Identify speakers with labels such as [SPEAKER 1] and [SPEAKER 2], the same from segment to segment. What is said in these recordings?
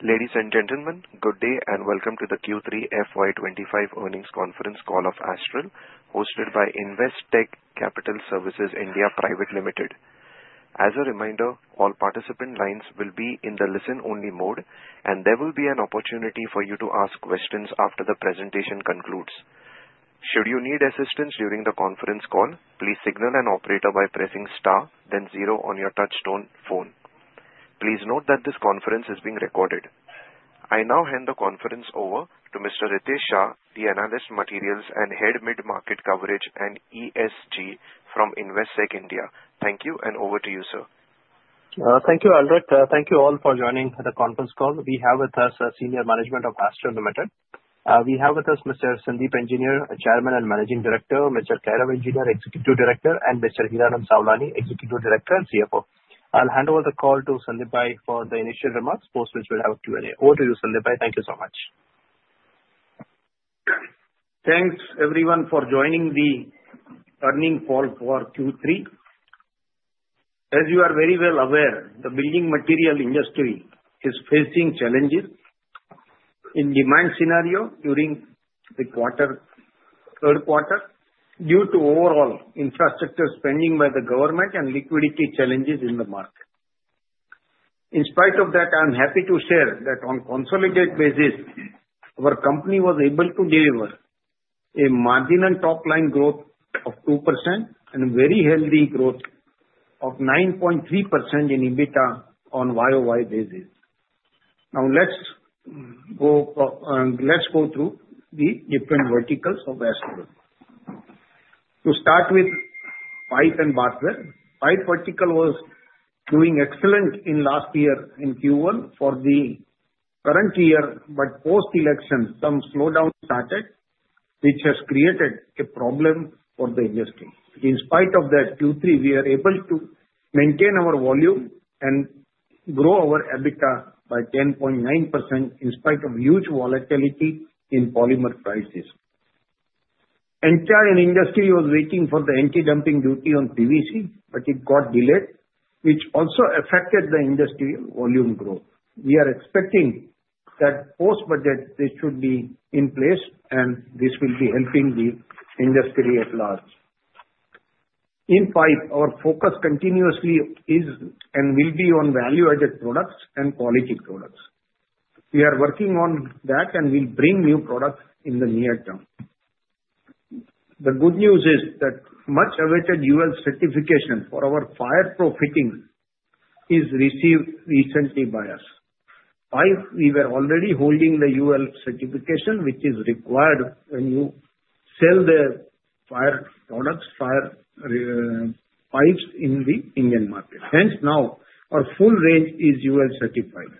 [SPEAKER 1] Ladies and gentlemen, good day and welcome to the Q3 FY 2025 earnings conference call of Astral, hosted by Investec Capital Services (India) Private Limited. As a reminder, all participant lines will be in the listen-only mode, and there will be an opportunity for you to ask questions after the presentation concludes. Should you need assistance during the conference call, please signal an operator by pressing star, then zero on your touch-tone phone. Please note that this conference is being recorded. I now hand the conference over to Mr. Ritesh Shah, the Analyst, Materials and Head Mid-Market Coverage and ESG from Investec India. Thank you, and over to you, sir.
[SPEAKER 2] Thank you, Alrit. Thank you all for joining the conference call. We have with us Senior Management of Astral Limited. We have with us Mr. Sandeep Engineer, Chairman and Managing Director, Mr. Kairav Engineer, Executive Director, and Mr. Hiranand Savlani, Executive Director and CFO. I'll hand over the call to Sandeepbhai for the initial remarks, post which we'll have a Q&A. Over to you, Sandeepbhai. Thank you so much.
[SPEAKER 3] Thanks, everyone, for joining the earnings call for Q3. As you are very well aware, the building material industry is facing challenges in demand scenario during the third quarter due to overall infrastructure spending by the government and liquidity challenges in the market. In spite of that, I'm happy to share that on a consolidated basis, our company was able to deliver a marginal top-line growth of 2% and a very healthy growth of 9.3% in EBITDA on a YOY basis. Now, let's go through the different verticals of Astral. To start with pipe and bathware, the pipe vertical was doing excellent in last year in Q1 for the current year, but post-election, some slowdown started, which has created a problem for the industry. In spite of that, Q3, we were able to maintain our volume and grow our EBITDA by 10.9% in spite of huge volatility in polymer prices. industry was waiting for the anti-dumping duty on PVC, but it got delayed, which also affected the industry volume growth. We are expecting that post-budget, this should be in place, and this will be helping the industry at large. In pipe, our focus continuously is and will be on value-added products and quality products. We are working on that, and we'll bring new products in the near term. The good news is that much-awaited UL certification for our Fire Pro is received recently by us. Pipe, we were already holding the UL certification, which is required when you sell the fire products, fire pipes in the Indian market. Hence, now our full range is UL certified,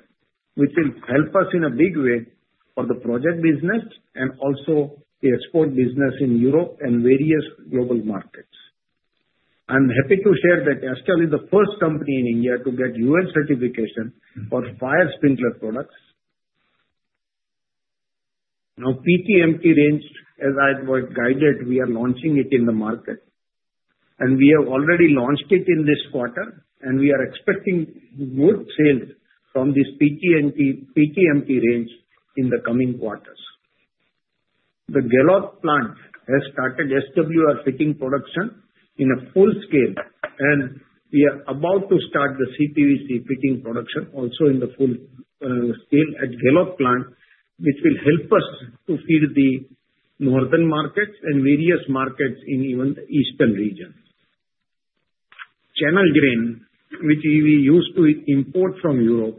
[SPEAKER 3] which will help us in a big way for the project business and also the export business in Europe and various global markets. I'm happy to share that Astral is the first company in India to get UL certification for fire sprinkler products. Now, PTMT range, as I was guided, we are launching it in the market, and we have already launched it in this quarter, and we are expecting good sales from this PTMT range in the coming quarters. The Ghiloth plant has started SWR fitting production in a full scale, and we are about to start the CPVC fitting production also in the full scale at Ghiloth plant, which will help us to feed the northern markets and various markets in even the eastern region. Channel Drain, which we used to import from Europe,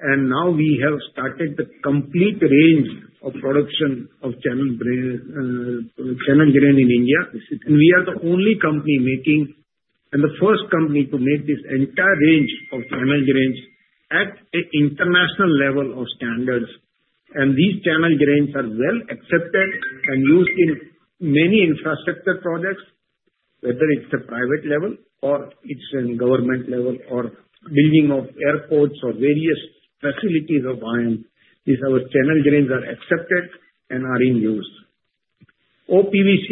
[SPEAKER 3] and now we have started the complete range of production of Channel Drain in India, and we are the only company making and the first company to make this entire range of Channel Drains at an international level of standards. And these Channel Drains are well accepted and used in many infrastructure projects, whether it's a private level or it's a government level or building of airports or various facilities in Iran. These Channel Drains are accepted and are in use. OPVC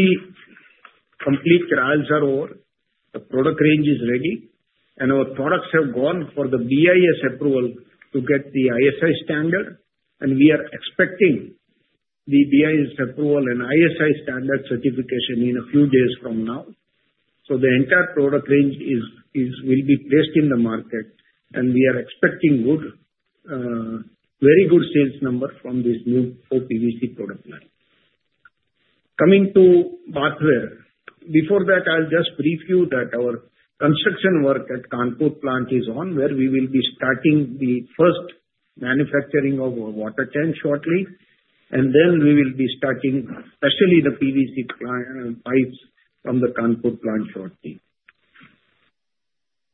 [SPEAKER 3] complete trials are over. The product range is ready, and our products have gone for the BIS approval to get the ISI standard, and we are expecting the BIS approval and ISI standard certification in a few days from now. The entire product range will be placed in the market, and we are expecting very good sales numbers from this new OPVC product line. Coming to bathware, before that, I'll just brief you that our construction work at Kanpur plant is on, where we will be starting the first manufacturing of our water tanks shortly, and then we will be starting, especially the PVC pipes from the Kanpur plant shortly.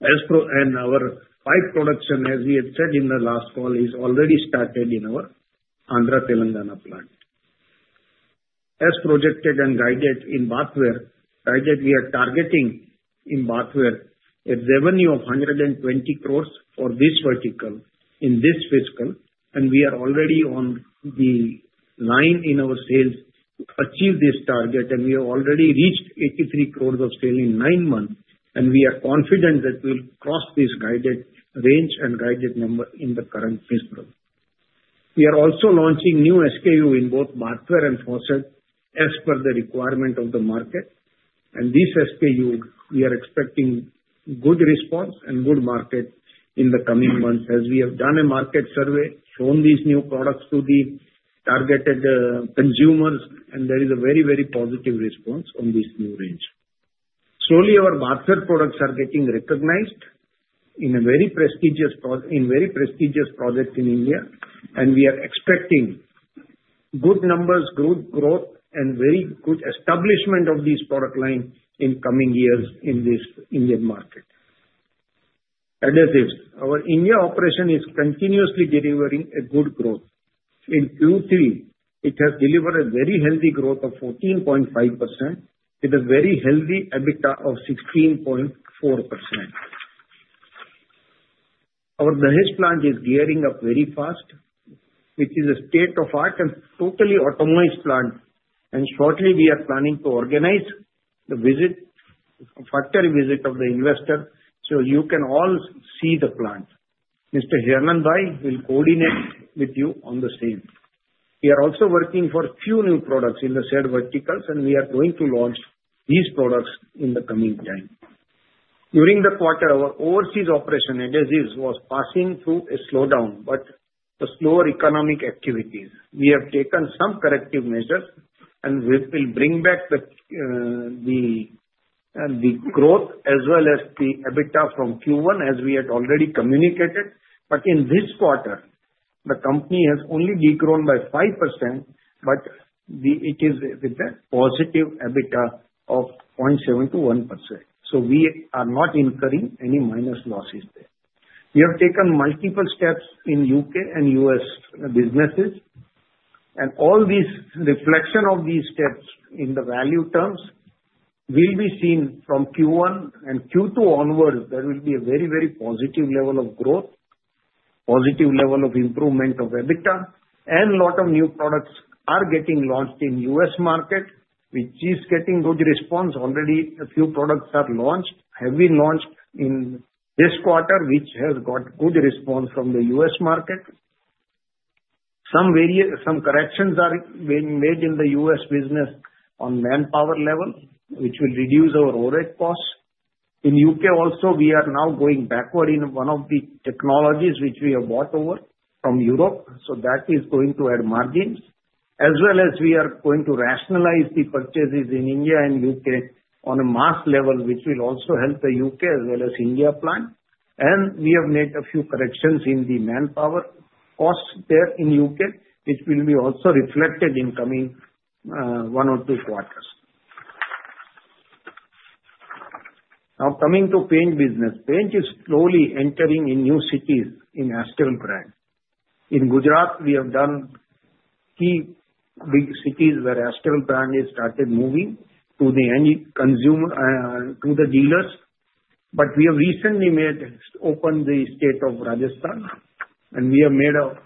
[SPEAKER 3] Our pipe production, as we had said in the last call, is already started in our Andhra, Telangana plant. As projected and guided in bathware, we are targeting in bathware a revenue of 120 crores for this vertical in this fiscal, and we are already on the line in our sales to achieve this target, and we have already reached 83 crores of sales in nine months, and we are confident that we'll cross this guided range and guided number in the current fiscal. We are also launching new SKUs in both bathware and faucets as per the requirement of the market, and these SKUs, we are expecting good response and good market in the coming months as we have done a market survey, shown these new products to the targeted consumers, and there is a very, very positive response on this new range. Slowly, our bathware products are getting recognized in a very prestigious project in India, and we are expecting good numbers, good growth, and very good establishment of these product lines in coming years in the Indian market. That is, our India operation is continuously delivering a good growth. In Q3, it has delivered a very healthy growth of 14.5% with a very healthy EBITDA of 16.4%. Our Dahej plant is gearing up very fast, which is a state-of-the-art and totally automated plant, and shortly, we are planning to organize the factory visit for investors so you can all see the plant. Mr. Hiranand Savlani will coordinate with you on the same. We are also working on a few new products in the adhesives verticals, and we are going to launch these products in the coming time. During the quarter, our overseas operation, that is, was passing through a slowdown, but the slower economic activities. We have taken some corrective measures, and we will bring back the growth as well as the EBITDA from Q1, as we had already communicated. But in this quarter, the company has only grown by 5%, but it is with the positive EBITDA of 0.721%. So we are not incurring any minus losses there. We have taken multiple steps in U.K. and U.S. businesses, and all these reflections of these steps in the value terms will be seen from Q1, and Q2 onwards, there will be a very, very positive level of growth, positive level of improvement of EBITDA, and a lot of new products are getting launched in the U.S. market, which is getting good response. Already, a few products have been launched in this quarter, which has got good response from the U.S. market. Some corrections are being made in the U.S. business on manpower level, which will reduce our overhead costs. In U.K. also, we are now going backward in one of the technologies which we have bought over from Europe, so that is going to add margins, as well as we are going to rationalize the purchases in India and U.K. on a mass level, which will also help the U.K. as well as India plant, and we have made a few corrections in the manpower costs there in U.K., which will be also reflected in coming one or two quarters. Now, coming to paint business, paint is slowly entering in new cities in Astral Brand. In Gujarat, we have done key big cities where Astral Brand has started moving to the dealers, but we have recently opened the state of Rajasthan, and we have made an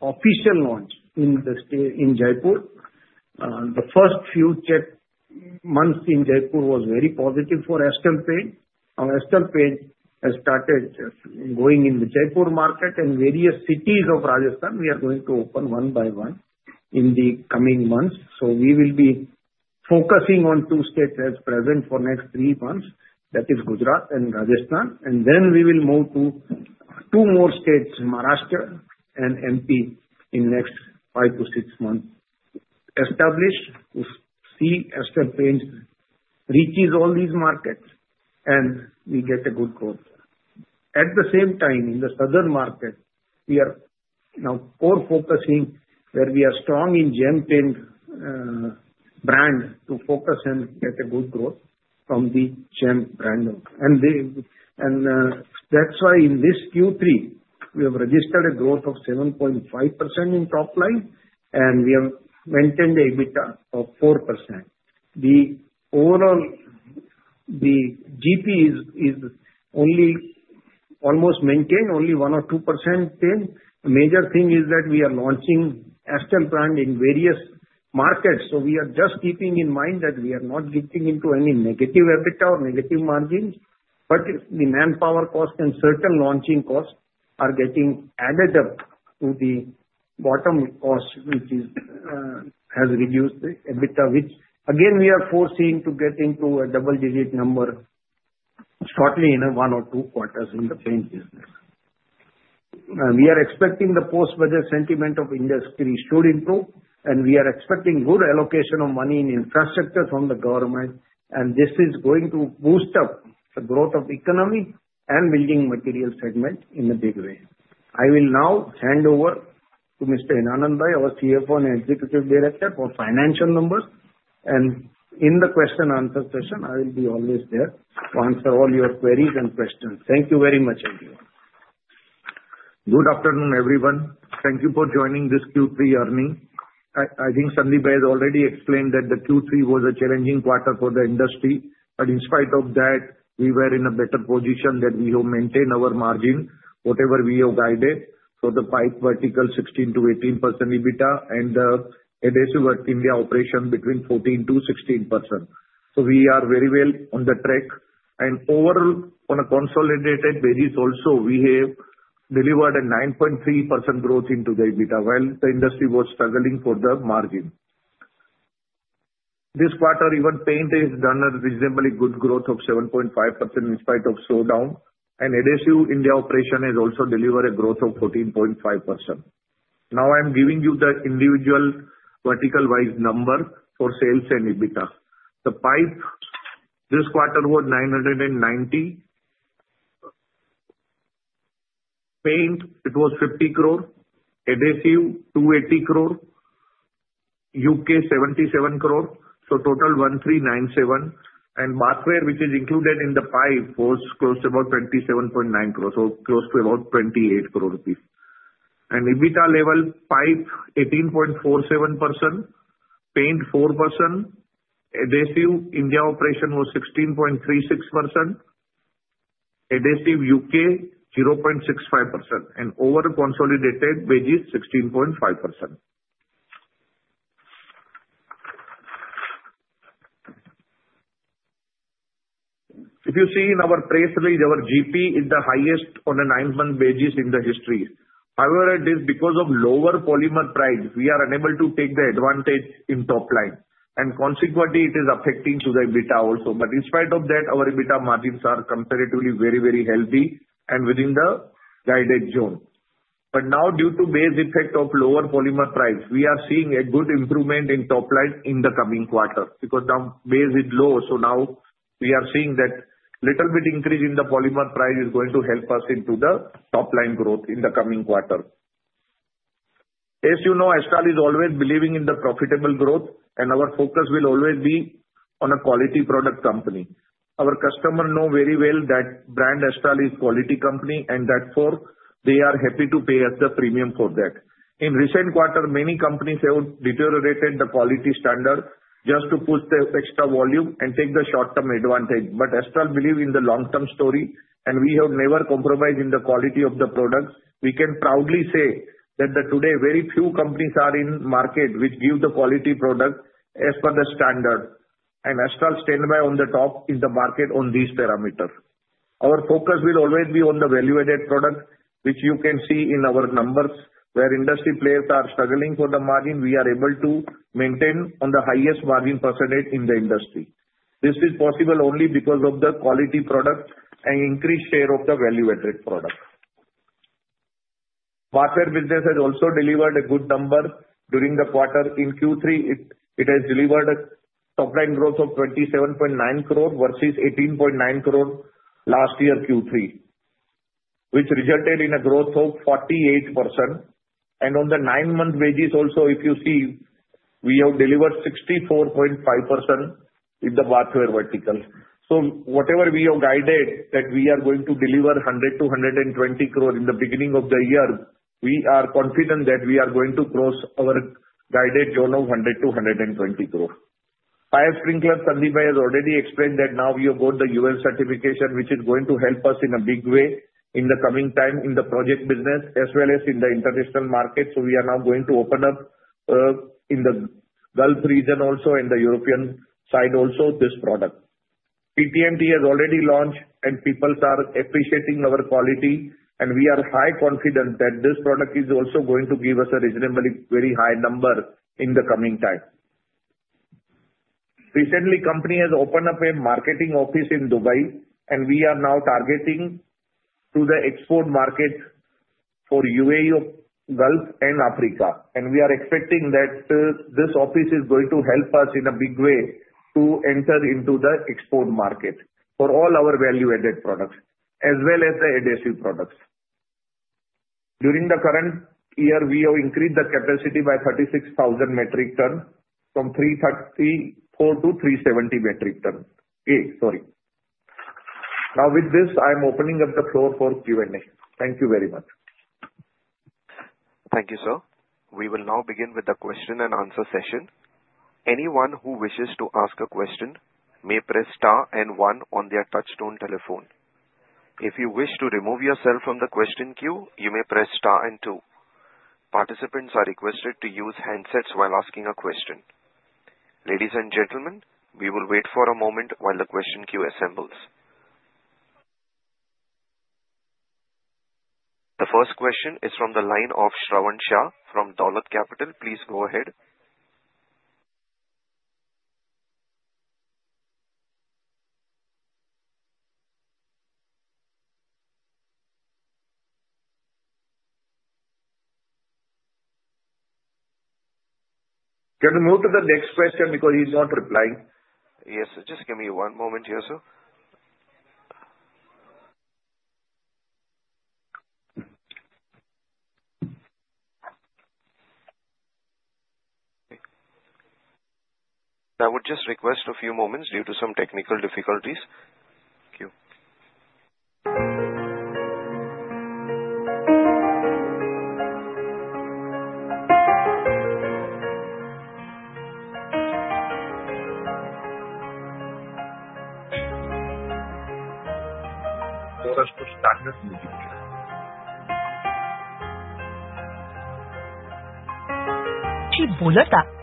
[SPEAKER 3] official launch in Jaipur. The first few months in Jaipur were very positive for Astral Paint. Astral Paint has started going in the Jaipur market, and various cities of Rajasthan we are going to open one by one in the coming months. So we will be focusing on two states at present for the next three months, that is Gujarat and Rajasthan, and then we will move to two more states, Maharashtra and MP, in the next five to six months. Astral Paint reaches all these markets, and we get a good growth. At the same time, in the southern market, we are now core focusing where we are strong in Gem Paints brand to focus and get a good growth from the Gem brand. And that's why in this Q3, we have registered a growth of 7.5% in top line, and we have maintained EBITDA of 4%. The GP is almost maintained only 1% or 2%. The major thing is that we are launching Astral brand in various markets, so we are just keeping in mind that we are not getting into any negative EBITDA or negative margins, but the manpower cost and certain launching costs are getting added up to the bottom line, which has reduced the EBITDA, which again we are forcing to get into a double-digit number shortly in one or two quarters in the paint business. We are expecting the post-budget sentiment of industry should improve, and we are expecting good allocation of money in infrastructure from the government, and this is going to boost up the growth of the economy and building material segment in a big way. I will now hand over to Mr. Hiranand Savlani, our CFO and Executive Director, for financial numbers, and in the question-answer session, I will be always there to answer all your queries and questions. Thank you very much, everyone.
[SPEAKER 4] Good afternoon, everyone. Thank you for joining this Q3 earnings. I think Sandeep has already explained that the Q3 was a challenging quarter for the industry, but in spite of that, we were in a better position that we have maintained our margin, whatever we have guided. So the pipe vertical 16%-18% EBITDA and the adhesive work India operation between 14%-16%. We are very well on the track, and overall, on a consolidated basis also, we have delivered a 9.3% growth into the EBITDA while the industry was struggling for the margin. This quarter, even paint has done a reasonably good growth of 7.5% in spite of slowdown, and adhesive India operation has also delivered a growth of 14.5%. Now, I'm giving you the individual vertical-wise number for sales and EBITDA. The pipe, this quarter was 990 crore. Paint, it was 50 crore. Adhesive, 280 crore. U.K., 77 crore. So total 1,397 crore. And bathware, which is included in the pipe, was close to about 27.9 crores, so close to about 28 crores rupees. And EBITDA level, pipe, 18.47%. Paint, 4%. Adhesive India operation was 16.36%. Adhesive U.K., 0.65%. And on consolidated basis, 16.5%. If you see in our press release, our GP is the highest on a nine-month basis in the history. However, it is because of lower polymer price, we are unable to take the advantage in top line, and consequently, it is affecting to the EBITDA also. But in spite of that, our EBITDA margins are comparatively very, very healthy and within the guided zone. But now, due to base effect of lower polymer price, we are seeing a good improvement in top line in the coming quarter because now base is low. So now, we are seeing that little bit increase in the polymer price is going to help us into the top line growth in the coming quarter. As you know, Astral is always believing in the profitable growth, and our focus will always be on a quality product company. Our customers know very well that brand Astral is a quality company, and therefore, they are happy to pay us the premium for that. In recent quarter, many companies have deteriorated the quality standard just to push the extra volume and take the short-term advantage, but Astral believes in the long-term story, and we have never compromised in the quality of the products. We can proudly say that today, very few companies are in the market which give the quality product as per the standard, and Astral stands by on the top in the market on these parameters. Our focus will always be on the value-added product, which you can see in our numbers where industry players are struggling for the margin. We are able to maintain the highest margin percentage in the industry. This is possible only because of the quality product and increased share of the value-added product. Bathware business has also delivered a good number during the quarter. In Q3, it has delivered a top-line growth of 27.9 crores versus 18.9 crores last year, Q3, which resulted in a growth of 48%. And on the nine-month basis also, if you see, we have delivered 64.5% in the bathware vertical. So whatever we have guided, that we are going to deliver 100-120 crores in the beginning of the year, we are confident that we are going to cross our guided zone of 100-120 crores. Fire sprinkler, Sandeep has already explained that now we have got the UL certification, which is going to help us in a big way in the coming time in the project business as well as in the international market. So we are now going to open up in the Gulf region also, and the European side also, this product. PTMT has already launched, and people are appreciating our quality, and we are highly confident that this product is also going to give us a reasonably very high number in the coming time. Recently, the company has opened up a marketing office in Dubai, and we are now targeting to the export market for UAE, Gulf, and Africa, and we are expecting that this office is going to help us in a big way to enter into the export market for all our value-added products as well as the adhesive products. During the current year, we have increased the capacity by 36,000 metric tons from 334-370 metric tons. Now, with this, I am opening up the floor for Q&A. Thank you very much.
[SPEAKER 1] Thank you, sir. We will now begin with the question-and-answer session. Anyone who wishes to ask a question may press star and one on their touch-tone telephone. If you wish to remove yourself from the question queue, you may press star and two. Participants are requested to use handsets while asking a question. Ladies and gentlemen, we will wait for a moment while the question queue assembles. The first question is from the line of Shravan Shah from Dolat Capital. Please go ahead.
[SPEAKER 4] Can we move to the next question because he's not replying?
[SPEAKER 1] Yes, sir. Just give me one moment here, sir. I would just request a few moments due to some technical difficulties. Thank you. The first question is from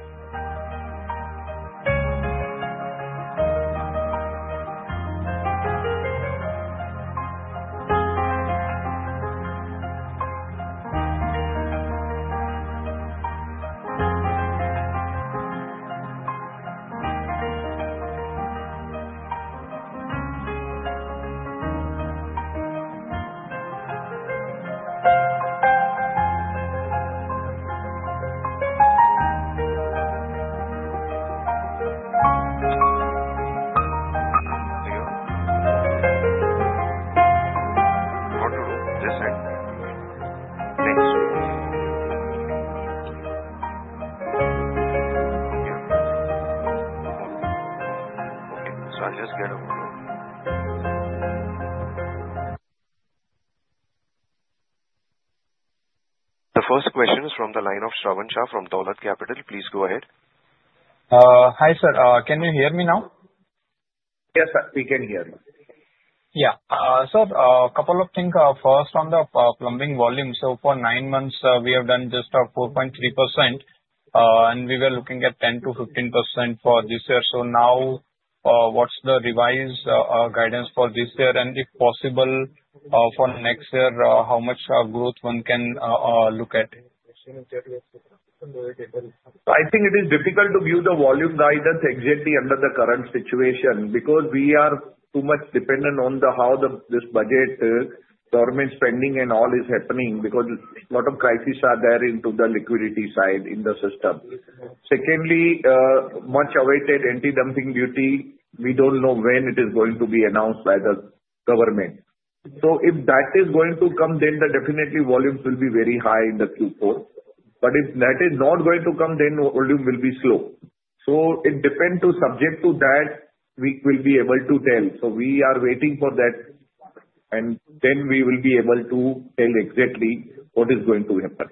[SPEAKER 1] the line of Shravan Shah from Dolat Capital. Please go ahead.
[SPEAKER 5] Hi sir, can you hear me now?
[SPEAKER 4] Yes, sir, we can hear you.
[SPEAKER 5] Yeah, sir, a couple of things. First, on the plumbing volume, so for nine months, we have done just 4.3%, and we were looking at 10%-15% for this year. So now, what's the revised guidance for this year, and if possible for next year, how much growth one can look at?
[SPEAKER 4] I think it is difficult to give the volume guidance exactly under the current situation because we are too much dependent on how this budget, government spending, and all is happening because a lot of crises are there into the liquidity side in the system. Secondly, much awaited anti-dumping duty, we don't know when it is going to be announced by the government. So if that is going to come, then definitely volumes will be very high in the Q4. But if that is not going to come, then volume will be slow. So it depends to subject to that, we will be able to tell. So we are waiting for that, and then we will be able to tell exactly what is going to happen.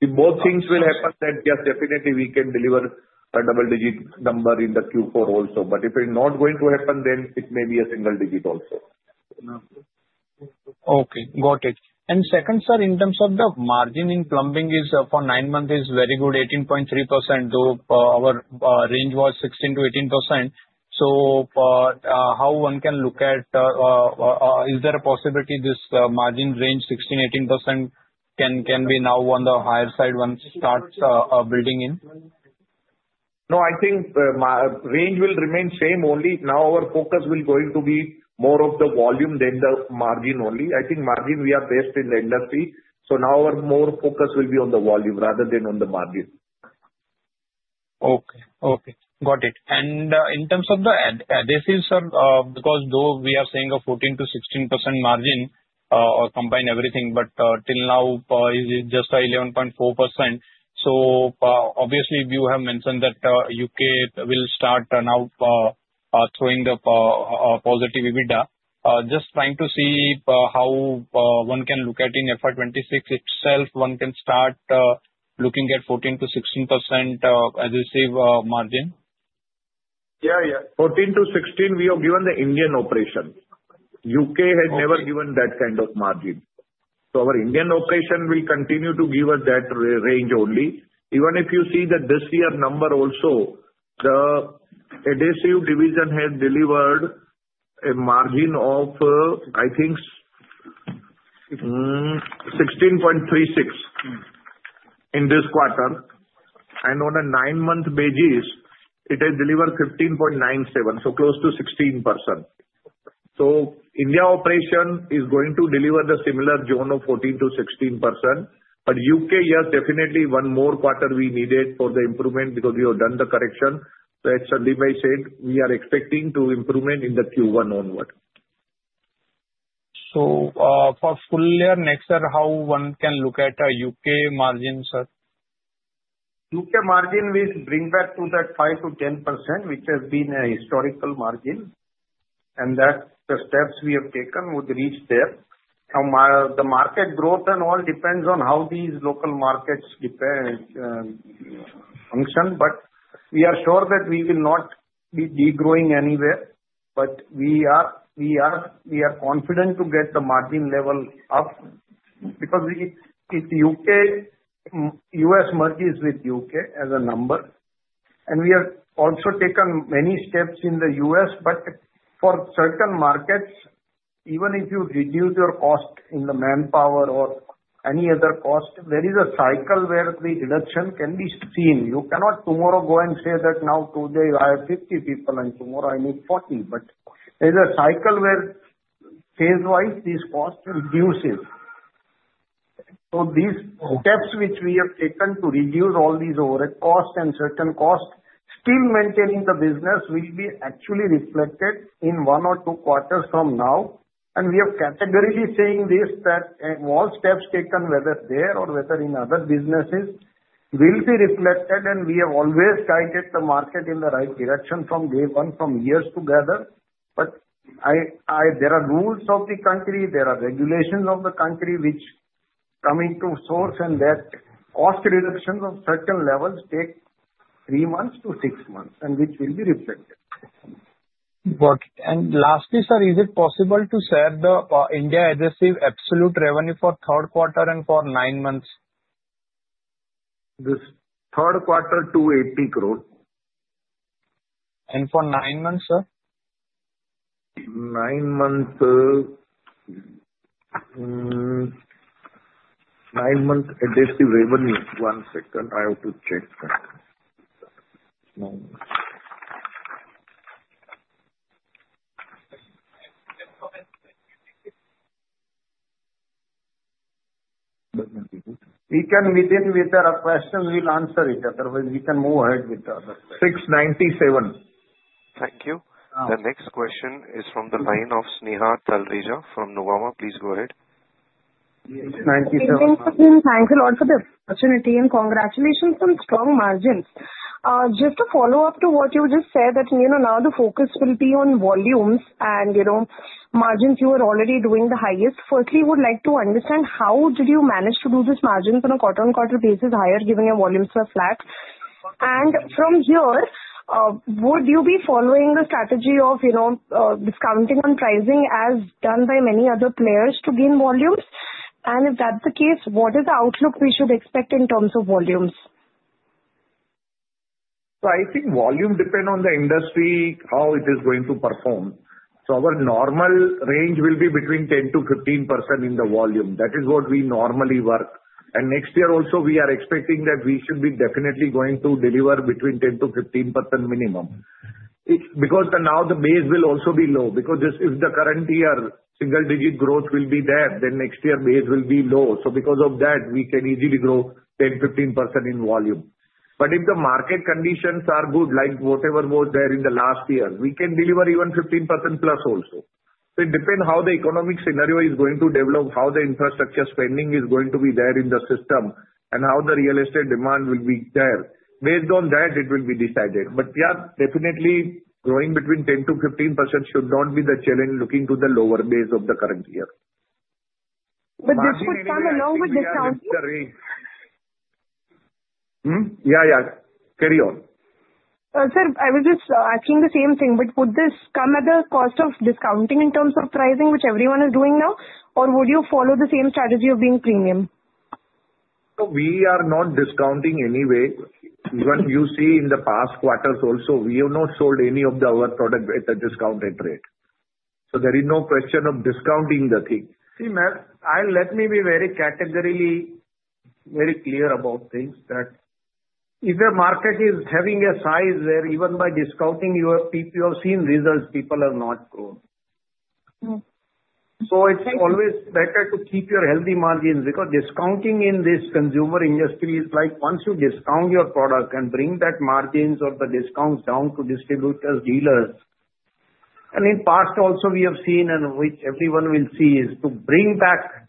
[SPEAKER 4] If both things will happen, then yes, definitely we can deliver a double-digit number in the Q4 also. But if it's not going to happen, then it may be a single digit also.
[SPEAKER 5] Okay, got it. And second, sir, in terms of the margin in plumbing, for nine months, it's very good, 18.3%. Our range was 16%-18%. So how one can look at, is there a possibility this margin range 16%-18% can be now on the higher side once it starts building in?
[SPEAKER 4] No, I think range will remain same. Only now, our focus will going to be more of the volume than the margin only. I think margins we are best in the industry. So now, our more focus will be on the volume rather than on the margin.
[SPEAKER 5] Okay, okay. Got it. And in terms of the adhesive, sir, because though we are saying a 14%-16% margin overall combined everything, but till now, it is just 11.4%. So obviously, you have mentioned that U.K. will start now showing the positive EBITDA. Just trying to see how one can look at in FY 2026 itself, one can start looking at 14%-16% adhesive margin.
[SPEAKER 4] Yeah, yeah. 14%-16%, we have given the Indian operation. U.K. has never given that kind of margin. So our Indian operation will continue to give us that range only. Even if you see that this year number also, the adhesive division has delivered a margin of, I think, 16.36% in this quarter, and on a nine-month basis, it has delivered 15.97%, so close to 16%, so India operation is going to deliver the similar zone of 14%-16%. But U.K., yes, definitely one more quarter we needed for the improvement because we have done the correction, so as Sandeep said, we are expecting to improve in the Q1 onward,
[SPEAKER 5] so for full year next, sir, how one can look at U.K. margin, sir?
[SPEAKER 4] U.K. margin will bring back to that 5%-10%, which has been a historical margin, and that's the steps we have taken would reach there. Now, the market growth and all depends on how these local markets function, but we are sure that we will not be degrowing anywhere. But we are confident to get the margin level up because if U.S. merges with U.K. as a number. And we have also taken many steps in the U.S., but for certain markets, even if you reduce your cost in the manpower or any other cost, there is a cycle where the reduction can be seen. You cannot tomorrow go and say that now today I have 50 people and tomorrow I need 40. But there is a cycle where phase-wise these costs reduces. So these steps which we have taken to reduce all these overhead costs and certain costs, still maintaining the business, will be actually reflected in one or two quarters from now. And we are categorically saying this that all steps taken, whether there or whether in other businesses, will be reflected. And we have always guided the market in the right direction from day one, for years together. But there are rules of the country, there are regulations of the country which come into force, and that cost reduction of certain levels takes three months to six months, and which will be reflected.
[SPEAKER 5] Got it. And lastly, sir, is it possible to share the Indian adhesive absolute revenue for third quarter and for nine months?
[SPEAKER 4] This third quarter, 280 crores.
[SPEAKER 5] And for nine months, sir?
[SPEAKER 4] Nine months adhesive revenue. One second, I have to check that.
[SPEAKER 3] We can within our questions, we'll answer it. Otherwise, we can move ahead with the other.
[SPEAKER 4] 697 crores. Thank you.
[SPEAKER 1] The next question is from the line of Sneha Talreja from Nuvama. Please go ahead. 697.
[SPEAKER 6] Thank you a lot for the opportunity and congratulations on strong margins. Just to follow up to what you just said, that now the focus will be on volumes and margins. You are already doing the highest. Firstly, we would like to understand how did you manage to do this margin on a quarter-on-quarter basis higher, given your volumes were flat? And from here, would you be following the strategy of discounting on pricing as done by many other players to gain volumes? And if that's the case, what is the outlook we should expect in terms of volumes?
[SPEAKER 4] So I think volume depends on the industry, how it is going to perform. So our normal range will be between 10%-15% in the volume. That is what we normally work. And next year also, we are expecting that we should be definitely going to deliver between 10%-15% minimum. Because now the base will also be low. Because if the current year single-digit growth will be there, then next year base will be low. So because of that, we can easily grow 10%-15% in volume. But if the market conditions are good, like whatever was there in the last year, we can deliver even 15% plus also. So it depends how the economic scenario is going to develop, how the infrastructure spending is going to be there in the system, and how the real estate demand will be there. Based on that, it will be decided. But yeah, definitely growing between 10%-15% should not be the challenge looking to the lower base of the current year.
[SPEAKER 6] But this would come along with discounting?
[SPEAKER 4] Yeah, yeah. Carry on.
[SPEAKER 6] Sir, I was just asking the same thing. But would this come at the cost of discounting in terms of pricing, which everyone is doing now? Or would you follow the same strategy of being premium?
[SPEAKER 4] We are not discounting anyway. Even you see in the past quarters also, we have not sold any of our product at a discounted rate. So there is no question of discounting the thing.
[SPEAKER 3] See, ma'am, let me be very categorically very clear about things that if the market is having a size where even by discounting, you have seen results, people have not grown. So it's always better to keep your healthy margins because discounting in this consumer industry is like once you discount your product and bring that margins or the discounts down to distributors, dealers. And in past also, we have seen, and which everyone will see, is to bring back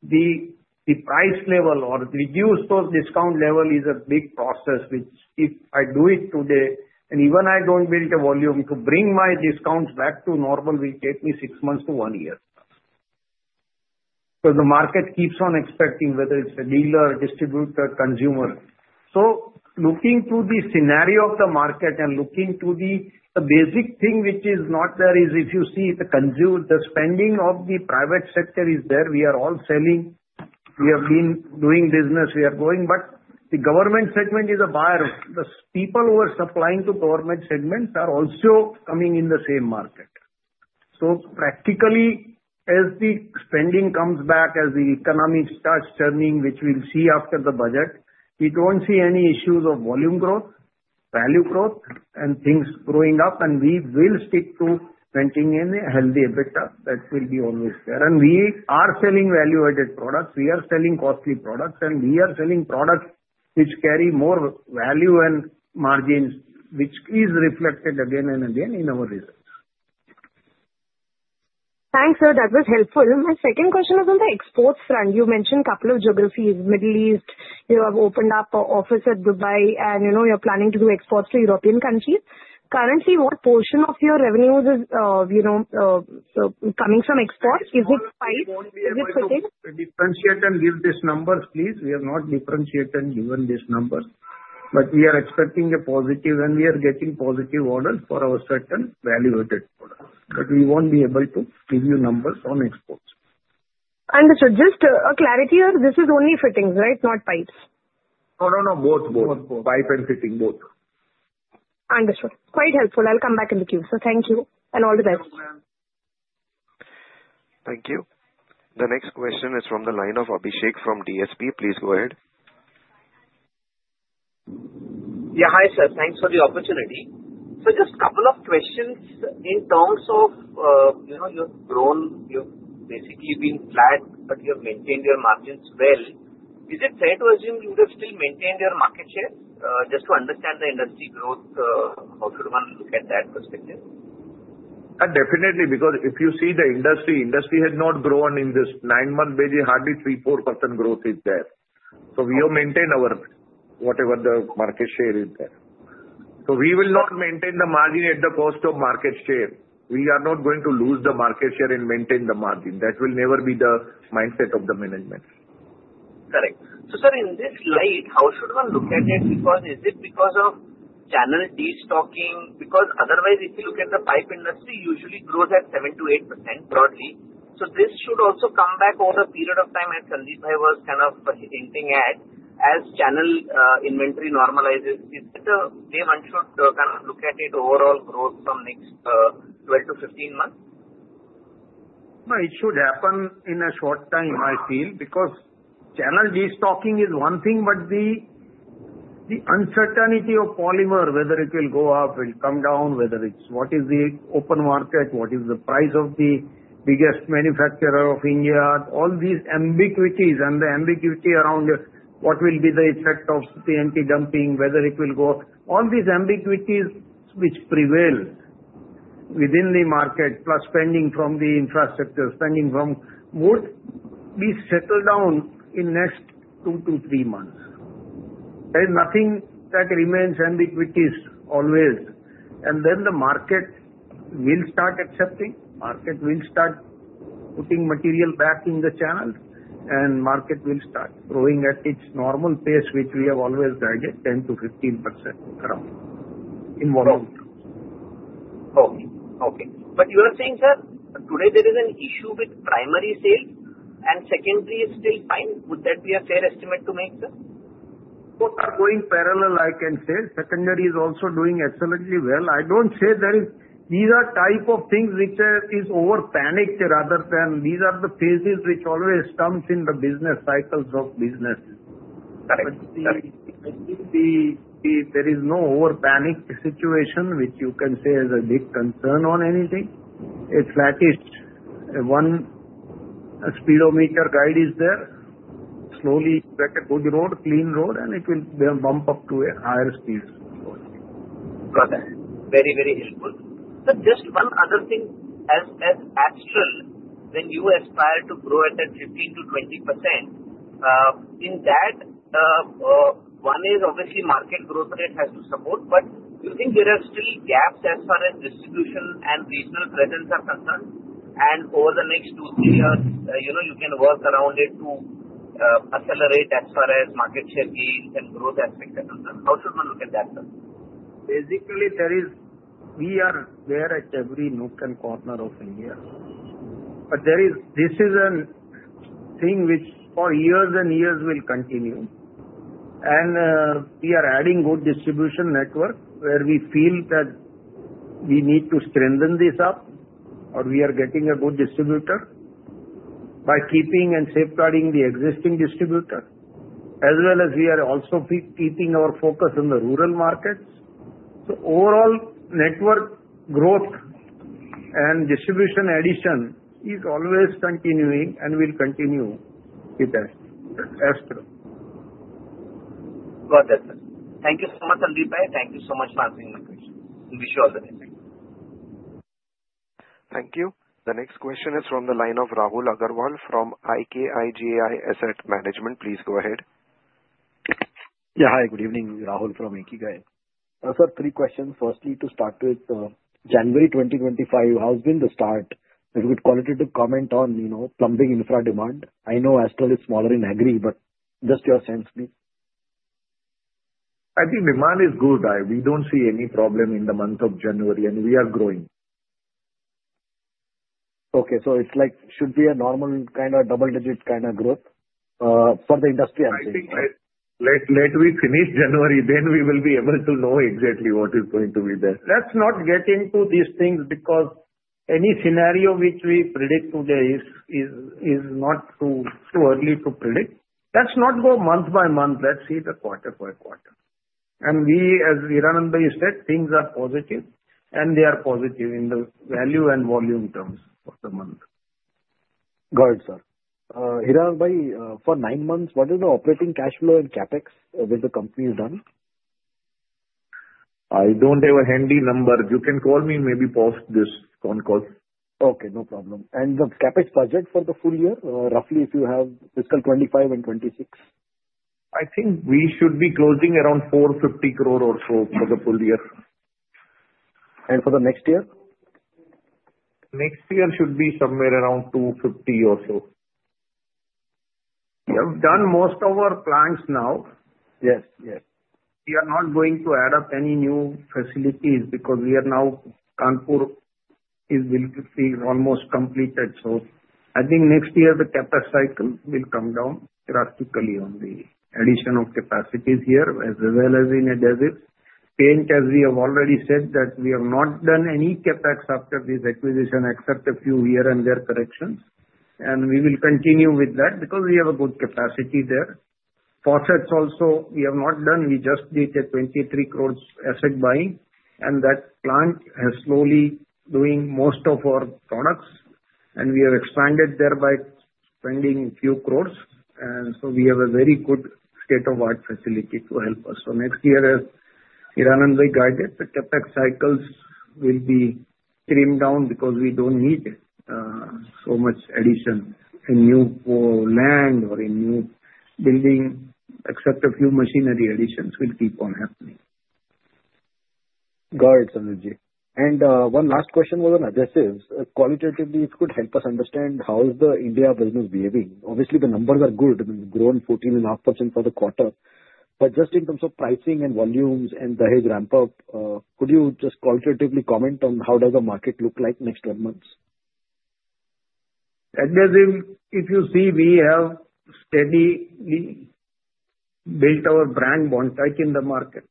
[SPEAKER 3] the price level or reduce those discount level is a big process, which if I do it today and even I don't build a volume to bring my discounts back to normal, will take me six months to one year. Because the market keeps on expecting whether it's a dealer, distributor, consumer. So looking to the scenario of the market and looking to the basic thing which is not there is if you see the spending of the private sector is there. We are all selling. We are going. But the government segment is a buyer. The people who are supplying to government segments are also coming in the same market. So practically, as the spending comes back, as the economy starts turning, which we'll see after the budget, we don't see any issues of volume growth, value growth, and things growing up. And we will stick to spending in a healthy habitat. That will be always there. And we are selling value-added products. We are selling costly products. And we are selling products which carry more value and margins, which is reflected again and again in our results.
[SPEAKER 6] Thanks, sir. That was helpful. My second question is on the exports front. You mentioned a couple of geographies, Middle East. You have opened up an office at Dubai, and you're planning to do exports to European countries. Currently, what portion of your revenues is coming from exports? Is it fixed? Is it fitting? Differentiate and give these numbers, please.
[SPEAKER 3] We have not differentiated and given these numbers. But we are expecting a positive, and we are getting positive orders for our certain value-added products. But we won't be able to give you numbers on exports.
[SPEAKER 6] Understood. Just a clarity here, this is only fittings, right? Not pipes?
[SPEAKER 4] No, no, no. Both, both. Pipe and fitting, both.
[SPEAKER 3] Understood. Quite helpful. I'll come back in the queue. So thank you and all the best.
[SPEAKER 1] Thank you. The next question is from the line of Abhishek from DSP. Please go ahead.
[SPEAKER 7] Yeah, hi sir. Thanks for the opportunity. So just a couple of questions. In terms of you have grown, you have basically been flat, but you have maintained your margins well. Is it fair to assume you would have still maintained your market share? Just to understand the industry growth, how should one look at that perspective?
[SPEAKER 4] Definitely. Because if you see the industry, industry has not grown in this nine-month basis, hardly 3%-4% growth is there. So we have maintained our whatever the market share is there. So we will not maintain the margin at the cost of market share. We are not going to lose the market share and maintain the margin. That will never be the mindset of the management.
[SPEAKER 7] Correct. So sir, in this light, how should one look at it? Is it because of channel destocking? Because otherwise, if you look at the pipe industry, usually grows at 7%-8% broadly. So this should also come back over a period of time as Sandeep I was kind of hinting at, as channel inventory normalizes. That the way one should kind of look at it overall growth from next 12-15 months?
[SPEAKER 3] It should happen in a short time, I feel. Because channel destocking is one thing, but the uncertainty of polymer, whether it will go up, will come down, whether it's what is the open market, what is the price of the biggest manufacturer of India, all these ambiguities, and the ambiguity around what will be the effect of anti-dumping, whether it will go. All these ambiguities which prevail within the market, plus infrastructure spending, which would be settled down in next two to three months. There are no ambiguities that remain always. And then the market will start accepting. The market will start putting material back in the channel, and the market will start growing at its normal pace, which we have always guided 10%-15% around in volume.
[SPEAKER 7] Okay, okay. But you are saying, sir, today there is an issue with primary sales, and secondary is still fine. Would that be a fair estimate to make, sir?
[SPEAKER 3] Both are going parallel, I can say. Secondary is also doing excellently well. I don't say there is. These are type of things which is overpanicked rather than these are the phases which always comes in the business cycles of businesses.
[SPEAKER 7] Correct.
[SPEAKER 3] There is no overpanicked situation, which you can say is a big concern on anything. It's like one speedometer guide is there. Slowly take a good road, clean road, and it will bump up to a higher speed.
[SPEAKER 7] Got it. Very, very helpful. Just one other thing. Astral, when you aspire to grow at that 15%-20%, in that, one is obviously market growth rate has to support. But do you think there are still gaps as far as distribution and regional presence are concerned? And over the next two, three years, you can work around it to accelerate as far as market share gains and growth aspects are concerned. How should one look at that, sir?
[SPEAKER 3] Basically, we are there at every nook and corner of India. But this is a thing which for years and years will continue. And we are adding good distribution network where we feel that we need to strengthen this up, or we are getting a good distributor by keeping and safeguarding the existing distributor, as well as we are also keeping our focus on the rural markets. So overall network growth and distribution addition is always continuing and will continue with that.
[SPEAKER 7] Got it, sir. Thank you so much, Sandeep Engineer. Thank you so much for answering my question. Wish you all the best.
[SPEAKER 1] Thank you. The next question is from the line of Rahul Agarwal from IKIGAI Asset Management. Please go ahead.
[SPEAKER 8] Yeah, hi. Good evening. Rahul from IKIGAI. Sir, three questions. Firstly, to start with, January 2025, how's been the start? If you could qualitatively comment on plumbing infra demand? I know Astral is smaller in agri, but just your sense, please.
[SPEAKER 4] I think demand is good. We don't see any problem in the month of January, and we are growing.
[SPEAKER 8] Okay. So it should be a normal kind of double-digit kind of growth for the industry, I'm thinking. Let me finish January. Then we will be able to know exactly what is going to be there.
[SPEAKER 3] Let's not get into these things because any scenario which we predict today is not too early to predict. Let's not go month by month. Let's see the quarter by quarter. And we, as Hiranandbhai said, things are positive, and they are positive in the value and volume terms of the month.
[SPEAKER 8] Got it, sir. Hiranandbhai, for nine months, what is the operating cash flow and CapEx with the company done?
[SPEAKER 4] I don't have a handy number. You can call me, maybe post this phone call.
[SPEAKER 8] Okay. No problem. And the CapEx budget for the full year, roughly if you have fiscal 2025 and 2026?
[SPEAKER 4] I think we should be closing around 450 crore or so for the full year.
[SPEAKER 8] And for the next year?
[SPEAKER 4] Next year should be somewhere around 250 crore or so.
[SPEAKER 3] We have done most of our plans now. We are not going to add up any new facilities because we are now Kanpur is almost completed. I think next year the CapEx cycle will come down drastically on the addition of capacities here as well as in the adhesives. Paint, as we have already said, that we have not done any CapEx after this acquisition except a few here and there corrections. We will continue with that because we have a good capacity there. Faucets also, we have not done. We just did an 23 crore asset buying, and that plant has slowly been doing most of our products. We have expanded there by spending a few crores. So we have a very good state-of-the-art facility to help us. Next year, as Hiranandbhai guided, the CapEx cycles will be trimmed down because we don't need so much addition in new land or in new building, except a few machinery additions will keep on happening.
[SPEAKER 8] Got it, Sandeepji. One last question was on additives. Qualitatively, it could help us understand how is the India business behaving. Obviously, the numbers are good. We've grown 14.5% for the quarter. But just in terms of pricing and volumes and the ramp-up, could you just qualitatively comment on how does the market look like next 12 months?
[SPEAKER 3] If you see, we have steadily built our brand monthly in the market.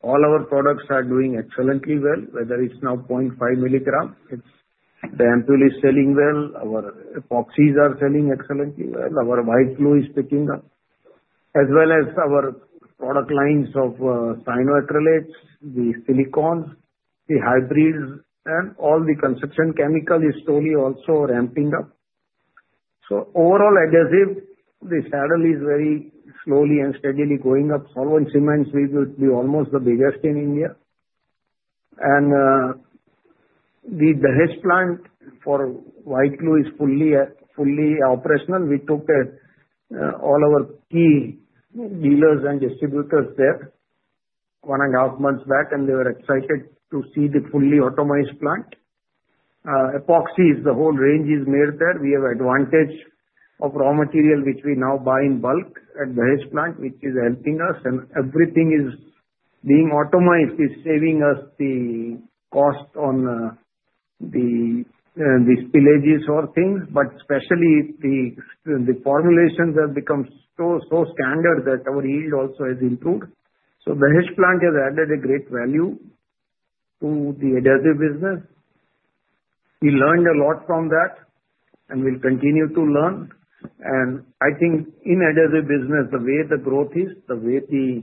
[SPEAKER 3] All our products are doing excellently well, whether it's now 0.5 gram. The ampoule is selling well. Our epoxies are selling excellently well. Our white glue is picking up, as well as our product lines of cyanoacrylates, the silicones, the hybrids, and all the construction chemical is slowly also ramping up. So overall, adhesives, the sales are very slowly and steadily going up. Solvent cements, we will be almost the biggest in India. The Dahej plant for white glue is fully operational. We took all our key dealers and distributors there one and a half months back, and they were excited to see the fully automated plant. Epoxy, the whole range, is made there. We have advantage of raw material which we now buy in bulk at Dahej plant, which is helping us. And everything is being automated. It's saving us the cost on the spillages or things, but especially the formulations have become so standard that our yield also has improved. So Dahej plant has added a great value to the adhesive business. We learned a lot from that and will continue to learn.
[SPEAKER 4] And I think in adhesive business, the way the growth is, the way the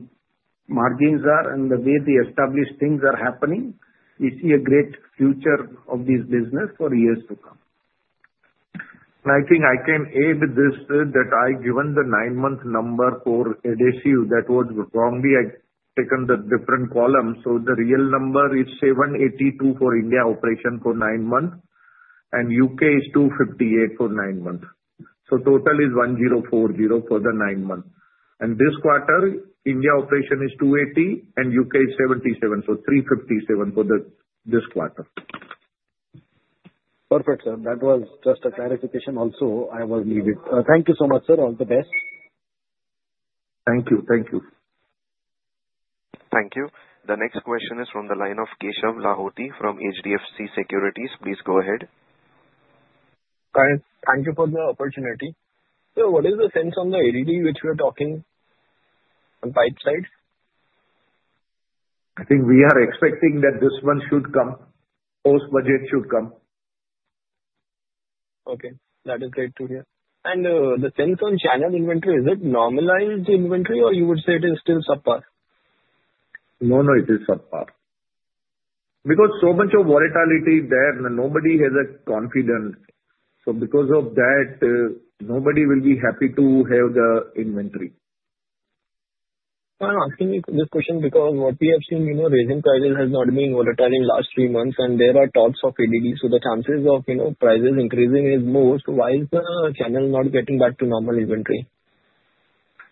[SPEAKER 4] margins are, and the way the established things are happening, we see a great future of this business for years to come. I think I can add this that I given the nine-month number for adhesive that was wrongly taken the different columns. So the real number is 782 for India operation for nine months, and U.K. is 258 for nine months. So total is 1040 for the nine months. And this quarter, India operation is 280, and U.K. is 77. So 357 for this quarter.
[SPEAKER 8] Perfect, sir. That was just a clarification also I was needed. Thank you so much, sir. All the best.
[SPEAKER 4] Thank you. Thank you.
[SPEAKER 1] Thank you. The next question is from the line of Keshav Lahoti from HDFC Securities. Please go ahead.
[SPEAKER 9] Thank you for the opportunity. So what is the sense on the lead which we are talking on pipe side?
[SPEAKER 4] I think we are expecting that this one should come. Post budget should come.
[SPEAKER 9] Okay. That is great to hear. And the sense on channel inventory, is it normalized inventory or you would say it is still subpar?
[SPEAKER 4] No, no, it is subpar. Because so much of volatility there, nobody has a confidence. So because of that, nobody will be happy to have the inventory.
[SPEAKER 9] I'm asking you this question because what we have seen, raising prices has not been volatile in the last three months, and there are talks of ADDs. So the chances of prices increasing is most. Why is the channel not getting back to normal inventory?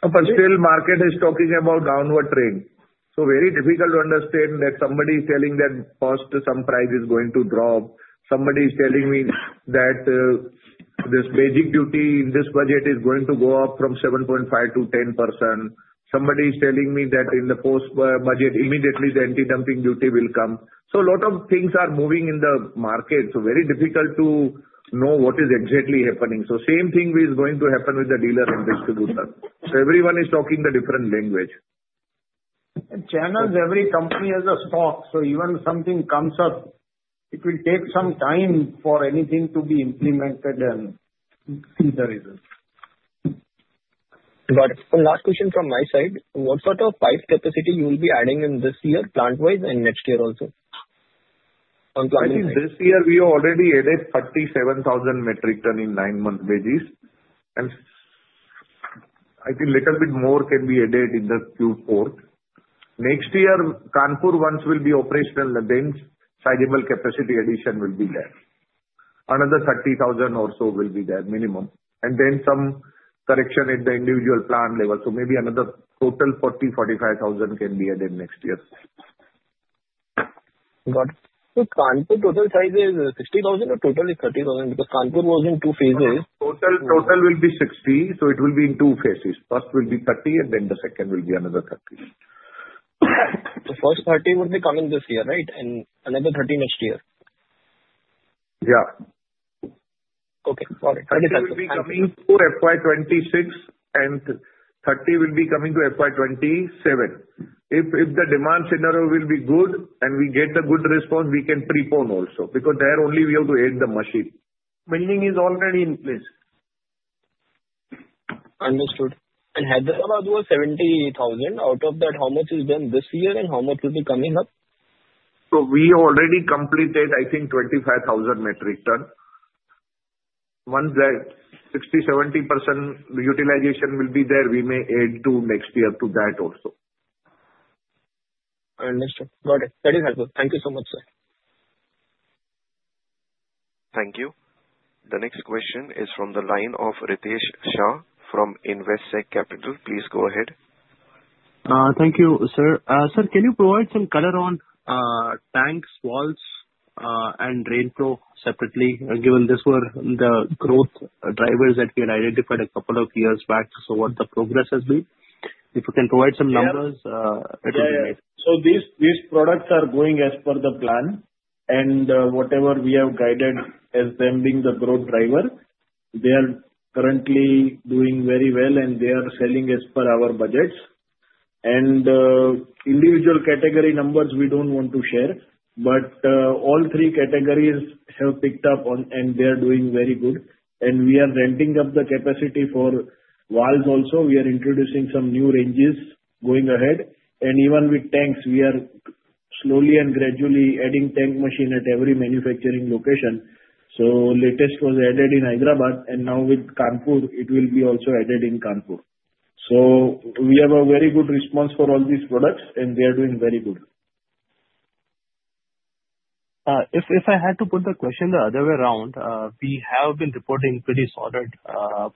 [SPEAKER 4] But still, market is talking about downward trade. So very difficult to understand that somebody is telling that first some price is going to drop. Somebody is telling me that this basic duty in this budget is going to go up from 7.5%-10%. Somebody is telling me that in the post budget, immediately the Anti-Dumping Duty will come. A lot of things are moving in the market. It is very difficult to know what is exactly happening. The same thing is going to happen with the dealer and distributor. Everyone is talking different languages.
[SPEAKER 3] Channels, every company has stock. Even if something comes up, it will take some time for anything to be implemented and see the results.
[SPEAKER 9] Got it. One last question from my side. What sort of pipe capacity will you be adding in this year, plant-wise, and next year also?
[SPEAKER 4] I think this year we already added 37,000 metric tons in nine months. I think a little bit more can be added in the Q4. Next year, Kanpur once will be operational, then sizable capacity addition will be there. Another 30,000 or so will be there minimum. Then some addition at the individual plant level. So maybe another total 40,000, 45,000 can be added next year.
[SPEAKER 9] Got it. So Kanpur total size is 60,000 or total is 30,000? Because Kanpur was in two phases.
[SPEAKER 4] Total will be 60. So it will be in two phases. First will be 30, and then the second will be another 30. So first 30 will be coming this year, right? And another 30 next year? Yeah. Okay. Got it. 30,000 will be coming to FY 2026, and 30 will be coming to FY 2027. If the demand scenario will be good and we get the good response, we can prepone also because there only we have to add the machine.
[SPEAKER 3] Building is already in place.
[SPEAKER 9] Understood. And had the 70,000, out of that, how much is done this year and how much will be coming up?
[SPEAKER 4] So we already completed, I think, 25,000 metric tons. Once that 60%-70% utilization will be there, we may add to next year to that also.
[SPEAKER 9] Understood. Got it. That is helpful. Thank you so much, sir.
[SPEAKER 1] Thank you. The next question is from the line of Ritesh Shah from Investec Capital. Please go ahead.
[SPEAKER 2] Thank you, sir. Sir, can you provide some color on tanks, valves, and RainPro separately, given these were the growth drivers that we had identified a couple of years back? So what the progress has been. If you can provide some numbers, it will be great.
[SPEAKER 3] So these products are going as per the plan. And whatever we have guided as them being the growth driver, they are currently doing very well, and they are selling as per our budgets. And individual category numbers, we don't want to share. But all three categories have picked up, and they are doing very good. We are ramping up the capacity for valves also. We are introducing some new ranges going ahead. Even with tanks, we are slowly and gradually adding tank machinery at every manufacturing location. The latest was added in Hyderabad, and now with Kanpur, it will also be added in Kanpur. We have a very good response for all these products, and they are doing very good.
[SPEAKER 2] If I had to put the question the other way around, we have been reporting pretty solid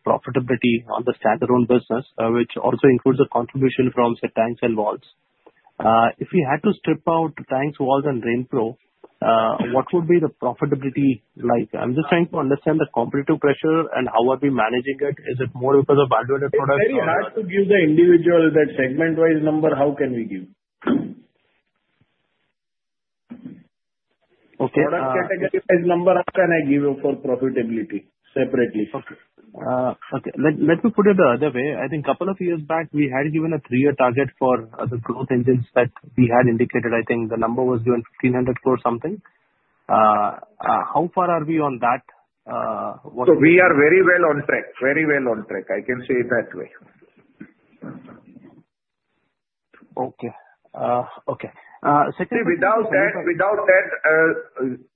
[SPEAKER 2] profitability on the standalone business, which also includes the contribution from tanks and walls. If we had to strip out tanks, walls, and RainPro, what would the profitability be like? I'm just trying to understand the competitive pressure and how we are managing it. Is it more because of value-added products?
[SPEAKER 3] It's very hard to give the individual segment-wise number. How can we give? Okay. Product category-wise number, how can I give you for profitability separately?
[SPEAKER 2] Okay. Let me put it the other way. I think a couple of years back, we had given a three-year target for the growth engines that we had indicated. I think the number was given 1,500 crore something. How far are we on that?
[SPEAKER 4] So we are very well on track. Very well on track. I can say it that way. Okay. Okay. Second question. Without that,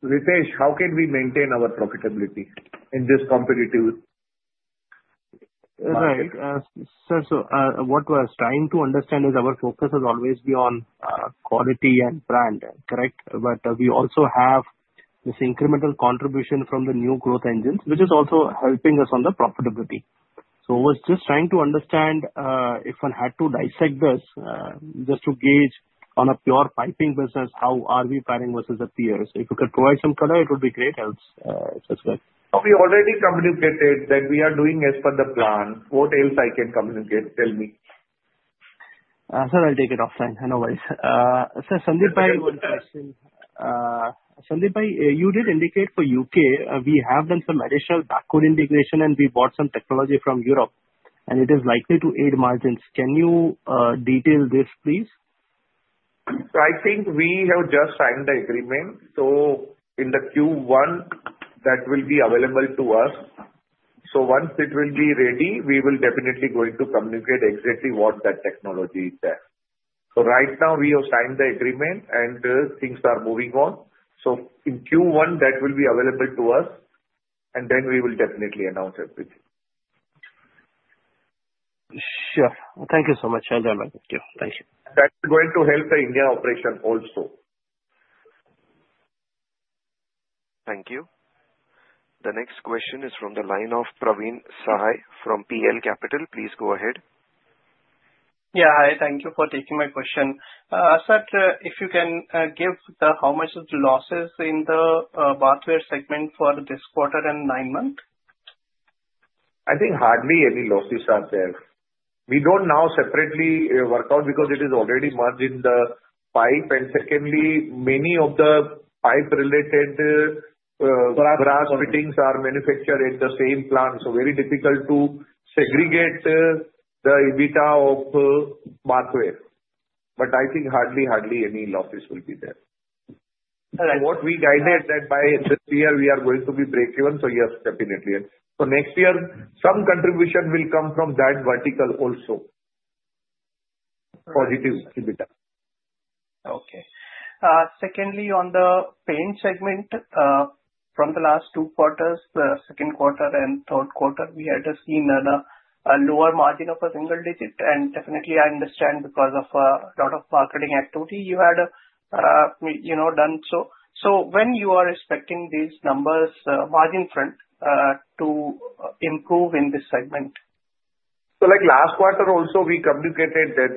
[SPEAKER 4] Ritesh, how can we maintain our profitability in this competitive?
[SPEAKER 2] Right. Sir, so what we're trying to understand is our focus has always been on quality and brand, correct? But we also have this incremental contribution from the new growth engines, which is also helping us on the profitability. I was just trying to understand if I had to dissect this just to gauge on a pure piping business, how are we faring versus the peers? If you could provide some color, it would be great.
[SPEAKER 4] We already communicated that we are doing as per the plan. What else I can communicate? Tell me.
[SPEAKER 2] Sir, I'll take it offline. No worries. Sir, Sandeepbhai? One question. Sandeepbhai, you did indicate for UK, we have done some additional backward integration, and we bought some technology from Europe, and it is likely to aid margins. Can you detail this, please?
[SPEAKER 4] So I think we have just signed the agreement. So in the Q1, that will be available to us. So once it will be ready, we will definitely going to communicate exactly what that technology is there. So right now, we have signed the agreement, and things are moving on. So in Q1, that will be available to us, and then we will definitely announce everything.
[SPEAKER 2] Sure. Thank you so much, Sandeepbhai. Thank you. Thank you.
[SPEAKER 4] That's going to help the India operation also.
[SPEAKER 1] Thank you. The next question is from the line of Praveen Sahay from PL Capital. Please go ahead.
[SPEAKER 10] Yeah. Hi. Thank you for taking my question. Sir, if you can give the how much is the losses in the bathware segment for this quarter and nine month?
[SPEAKER 4] I think hardly any losses are there. We don't know separately work out because it is already merged in the pipe. And secondly, many of the pipe-related brass fittings are manufactured at the same plant. So very difficult to segregate the EBITDA of bathware. But I think hardly, hardly any losses will be there. So what we guided that by this year, we are going to be breakeven. So yes, definitely. So next year, some contribution will come from that vertical also. Positive EBITDA.
[SPEAKER 10] Okay. Secondly, on the paint segment, from the last two quarters, the second quarter and third quarter, we had seen a lower margin of a single digit. And definitely, I understand because of a lot of marketing activity you had done. So when you are expecting these numbers margin front to improve in this segment?
[SPEAKER 4] So last quarter also, we communicated that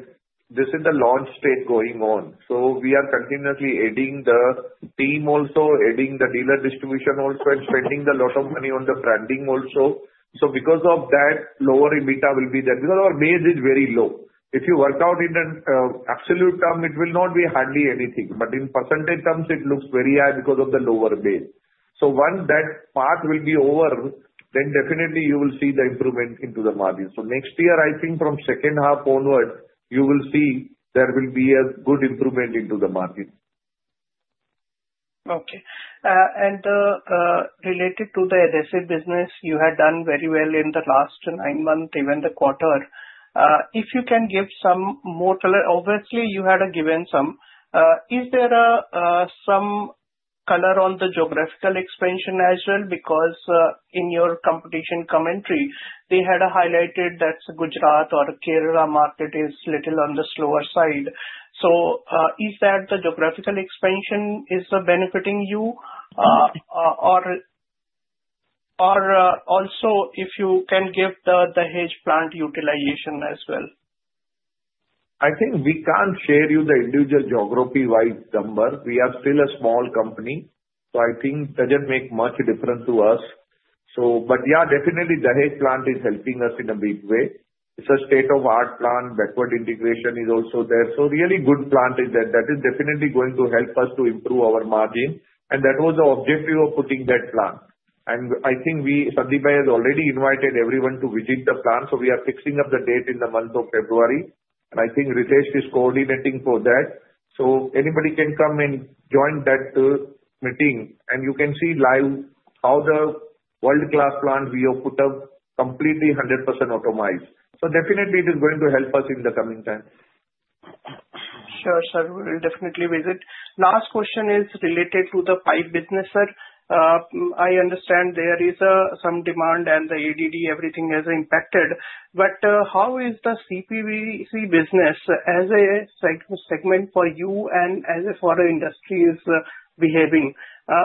[SPEAKER 4] this is the launch state going on. So we are continuously adding the team, also adding the dealer distribution also, and spending a lot of money on the branding also. So because of that, lower EBITDA will be there. Because our base is very low. If you work out in an absolute term, it will not be hardly anything. But in percentage terms, it looks very high because of the lower base. So once that path will be over, then definitely you will see the improvement into the margin. So next year, I think from second half onward, you will see there will be a good improvement into the market.
[SPEAKER 10] Okay. And related to the adhesive business, you had done very well in the last nine months, even the quarter. If you can give some more color, obviously you had given some. Is there some color on the geographical expansion as well? Because in your competition commentary, they had highlighted that Gujarat or Kerala market is a little on the slower side. So is that the geographical expansion is benefiting you? Or also if you can give the Dahej plant utilization as well?
[SPEAKER 4] I think we can't share you the individual geography-wise number. We are still a small company. So I think it doesn't make much difference to us. But yeah, definitely the adhesive plant is helping us in a big way. It's a state-of-the-art plant. Backward integration is also there. So really good plant is that. That is definitely going to help us to improve our margin. And that was the objective of putting that plant. And I think Sandeepbhai has already invited everyone to visit the plant. So we are fixing up the date in the month of February. And I think Ritesh is coordinating for that. So anybody can come and join that meeting. And you can see live how the world-class plant we have put up completely 100% automated. So definitely, it is going to help us in the coming time.
[SPEAKER 10] Sure, sir. We will definitely visit. Last question is related to the pipe business, sir. I understand there is some demand and the ADD, everything has impacted. But how is the CPVC business as a segment for you and as a foreign industry is behaving?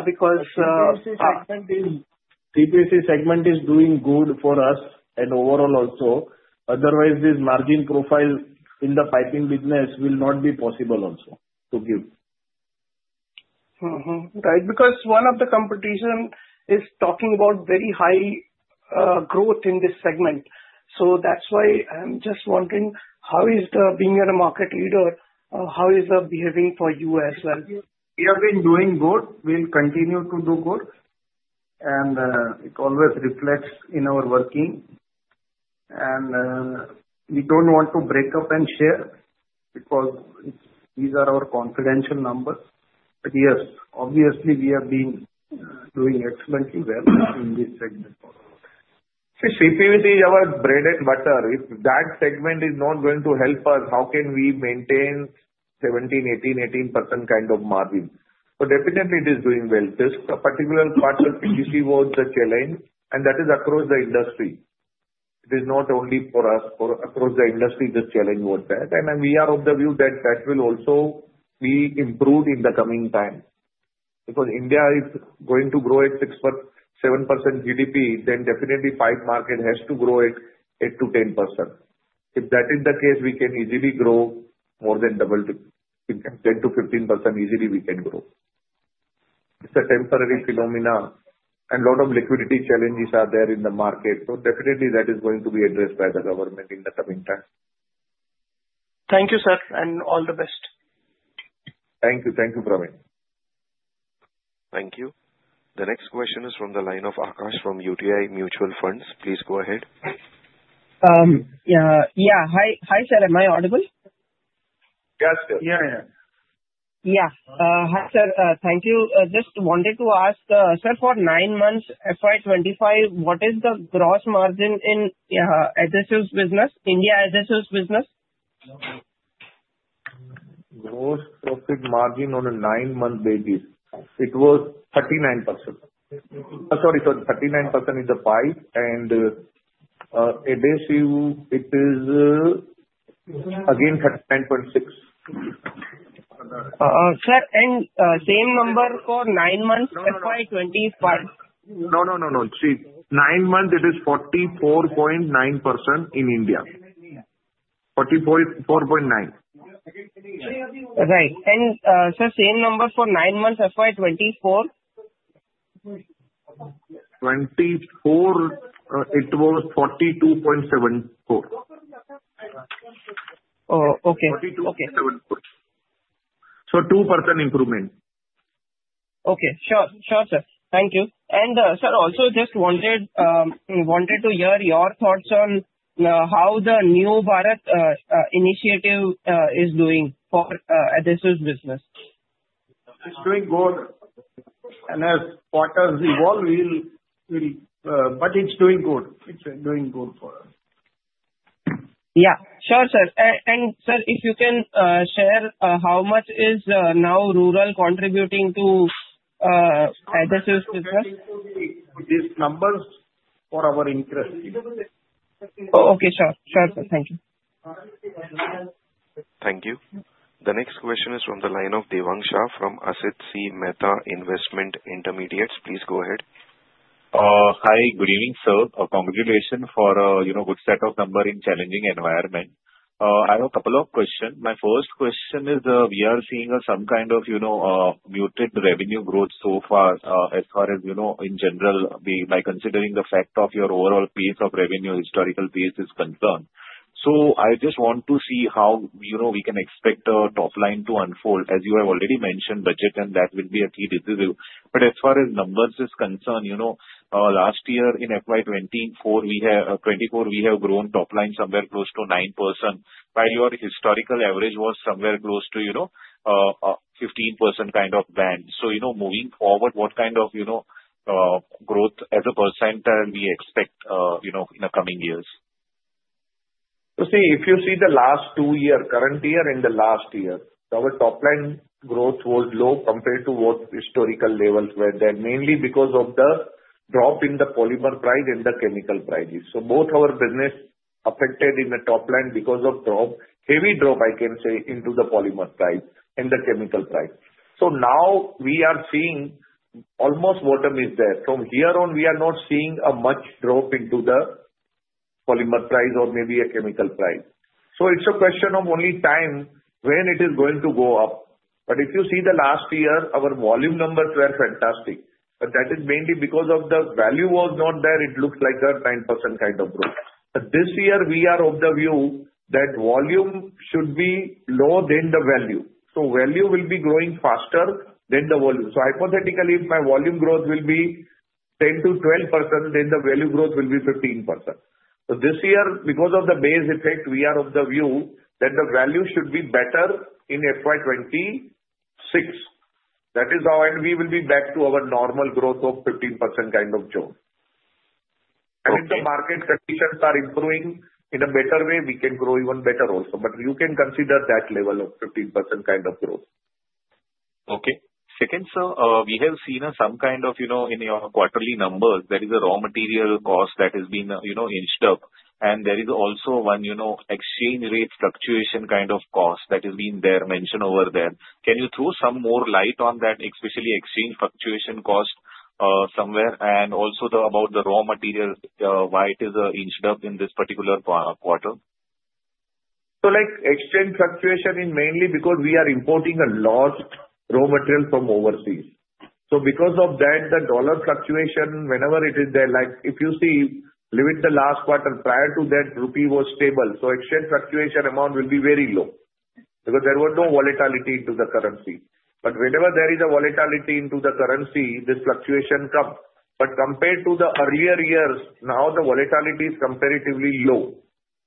[SPEAKER 10] Because
[SPEAKER 11] CPVC segment is doing good for us and overall also. Otherwise, this margin profile in the piping business will not be possible also to give.
[SPEAKER 10] Right. Because one of the competition is talking about very high growth in this segment. So that's why I'm just wondering, how is being a market leader, how is that behaving for you as well?
[SPEAKER 3] We have been doing good. We'll continue to do good. And it always reflects in our working. And we don't want to break up and share because these are our confidential numbers. But yes, obviously, we have been doing excellently well in this segment.
[SPEAKER 4] CPVC is our bread and butter. If that segment is not going to help us, how can we maintain 17%, 18%, 18% kind of margin? But definitely, it is doing well. This particular part of PTMT was the challenge. And that is across the industry. It is not only for us. Across the industry, the challenge was that. And we are of the view that that will also be improved in the coming time. Because India is going to grow at 7% GDP, then definitely pipe market has to grow at 8%-10%. If that is the case, we can easily grow more than 10%-15% easily we can grow. It's a temporary phenomena. And a lot of liquidity challenges are there in the market. So definitely, that is going to be addressed by the government in the coming time.
[SPEAKER 10] Thank you, sir. And all the best.
[SPEAKER 4] Thank you. Thank you, Praveen.
[SPEAKER 1] Thank you. The next question is from the line of Akash from UTI Mutual Funds. Please go ahead.
[SPEAKER 12] Yeah. Hi, sir. Am I audible?
[SPEAKER 4] Yes, sir.
[SPEAKER 12] Yeah, yeah. Yeah. Hi, sir. Thank you. Just wanted to ask, sir, for nine months, FY 2025, what is the gross margin in adhesives business, India adhesives business?
[SPEAKER 4] Gross profit margin on a nine-month basis. It was 39%. Sorry, sorry. 39% is the pipe. And adhesive, it is again 39.6%.
[SPEAKER 12] Sir, and same number for nine months, FY 2025?
[SPEAKER 4] No, no, no, no. Nine months, it is 44.9% in India. 44.9.
[SPEAKER 12] Right. And sir, same number for nine months, FY 2024?
[SPEAKER 4] 24, it was 42.74%. Oh, okay. 42.74%. So 2% improvement.
[SPEAKER 12] Okay. Sure. Sure, sir. Thank you. And sir, also just wanted to hear your thoughts on how the New Bharat Initiative is doing for adhesives business.
[SPEAKER 3] It's doing good. And as quarters evolve, we'll but it's doing good. It's doing good for us.
[SPEAKER 12] Yeah. Sure, sir. And sir, if you can share, how much is now rural contributing to adhesives business?
[SPEAKER 3] These numbers for our interest.
[SPEAKER 12] Okay. Sure. Sure, sir. Thank you.
[SPEAKER 1] Thank you. The next question is from the line of Devang Shah from Asit C. Mehta Investment Interrmediates. Please go ahead.
[SPEAKER 13] Hi. Good evening, sir. Congratulations for a good set of numbers in challenging environment. I have a couple of questions. My first question is, we are seeing some kind of muted revenue growth so far as far as in general, by considering the fact of your overall pace of revenue, historical pace is concerned. So I just want to see how we can expect a top line to unfold. As you have already mentioned, budget, and that will be a key decision. But as far as numbers is concerned, last year in FY 2024, we have grown top line somewhere close to 9%, while your historical average was somewhere close to 15% kind of band. So moving forward, what kind of growth as a percentage we expect in the coming years?
[SPEAKER 4] So see, if you see the last two years, current year and the last year, our top line growth was low compared to what historical levels were there, mainly because of the drop in the polymer price and the chemical prices. So both our business affected in the top line because of heavy drop, I can say, into the polymer price and the chemical price. So now we are seeing almost bottom is there. From here on, we are not seeing a much drop into the polymer price or maybe a chemical price. It's a question of only time when it is going to go up. But if you see the last year, our volume numbers were fantastic. But that is mainly because of the value was not there. It looks like a 9% kind of growth. But this year, we are of the view that volume should be lower than the value. So value will be growing faster than the volume. So hypothetically, if my volume growth will be 10%-12%, then the value growth will be 15%. So this year, because of the base effect, we are of the view that the value should be better in FY 2026. That is how we will be back to our normal growth of 15% kind of growth. And if the market conditions are improving in a better way, we can grow even better also. But you can consider that level of 15% kind of growth.
[SPEAKER 13] Okay. Second, sir, we have seen some kind of in your quarterly numbers, there is a raw material cost that has been inched up. And there is also one exchange rate fluctuation kind of cost that has been there mentioned over there. Can you throw some more light on that, especially exchange fluctuation cost somewhere? And also about the raw material, why it is inched up in this particular quarter?
[SPEAKER 4] So exchange fluctuation is mainly because we are importing a lot of raw material from overseas. So because of that, the dollar fluctuation, whenever it is there, if you see, leave it the last quarter, prior to that, rupee was stable. So exchange fluctuation amount will be very low because there was no volatility into the currency. But whenever there is a volatility into the currency, this fluctuation comes. But compared to the earlier years, now the volatility is comparatively low.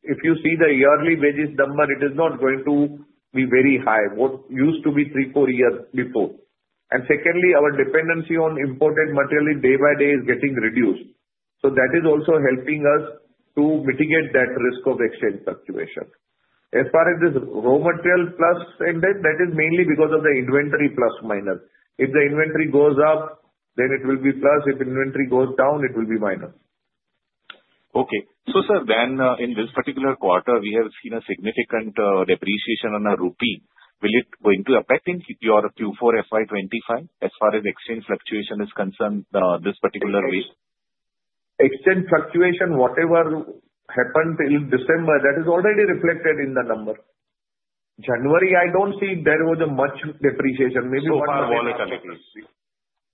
[SPEAKER 4] If you see the yearly basis number, it is not going to be very high, what used to be three, four years before. And secondly, our dependency on imported material day by day is getting reduced. So that is also helping us to mitigate that risk of exchange fluctuation. As far as this raw material plus and that, that is mainly because of the inventory plus minus. If the inventory goes up, then it will be plus. If inventory goes down, it will be minus.
[SPEAKER 13] Okay. So sir, then in this particular quarter, we have seen a significant depreciation on a rupee. Will it go into effect in your Q4 FY 2025 as far as exchange fluctuation is concerned this particular way?
[SPEAKER 4] Exchange fluctuation, whatever happened in December, that is already reflected in the number. January, I don't see there was much depreciation. Maybe one or two.
[SPEAKER 13] So far volatility.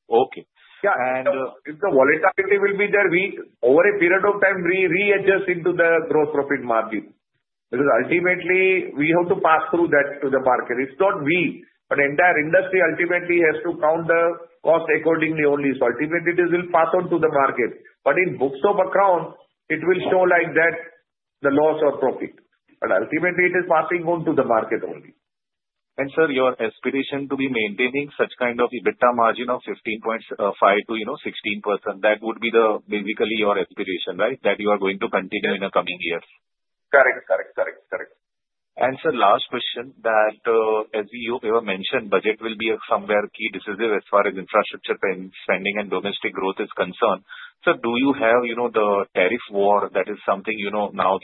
[SPEAKER 13] Okay.
[SPEAKER 4] And if the volatility will be there, we over a period of time, we readjust into the gross profit margin. Because ultimately, we have to pass through that to the market. It's not we, but the entire industry ultimately has to count the cost accordingly only. So ultimately, this will pass on to the market. But in books of account, it will show like that the loss or profit. But ultimately, it is passing on to the market only.
[SPEAKER 13] And sir, your aspiration to be maintaining such kind of EBITDA margin of 15.5%-16%, that would be basically your aspiration, right? That you are going to continue in the coming years.
[SPEAKER 4] Correct. Correct. Correct. Correct.
[SPEAKER 13] And, sir, last question that as you mentioned, budget will be somewhat key decisive as far as infrastructure spending and domestic growth is concerned. So do you have the tariff war? That is something now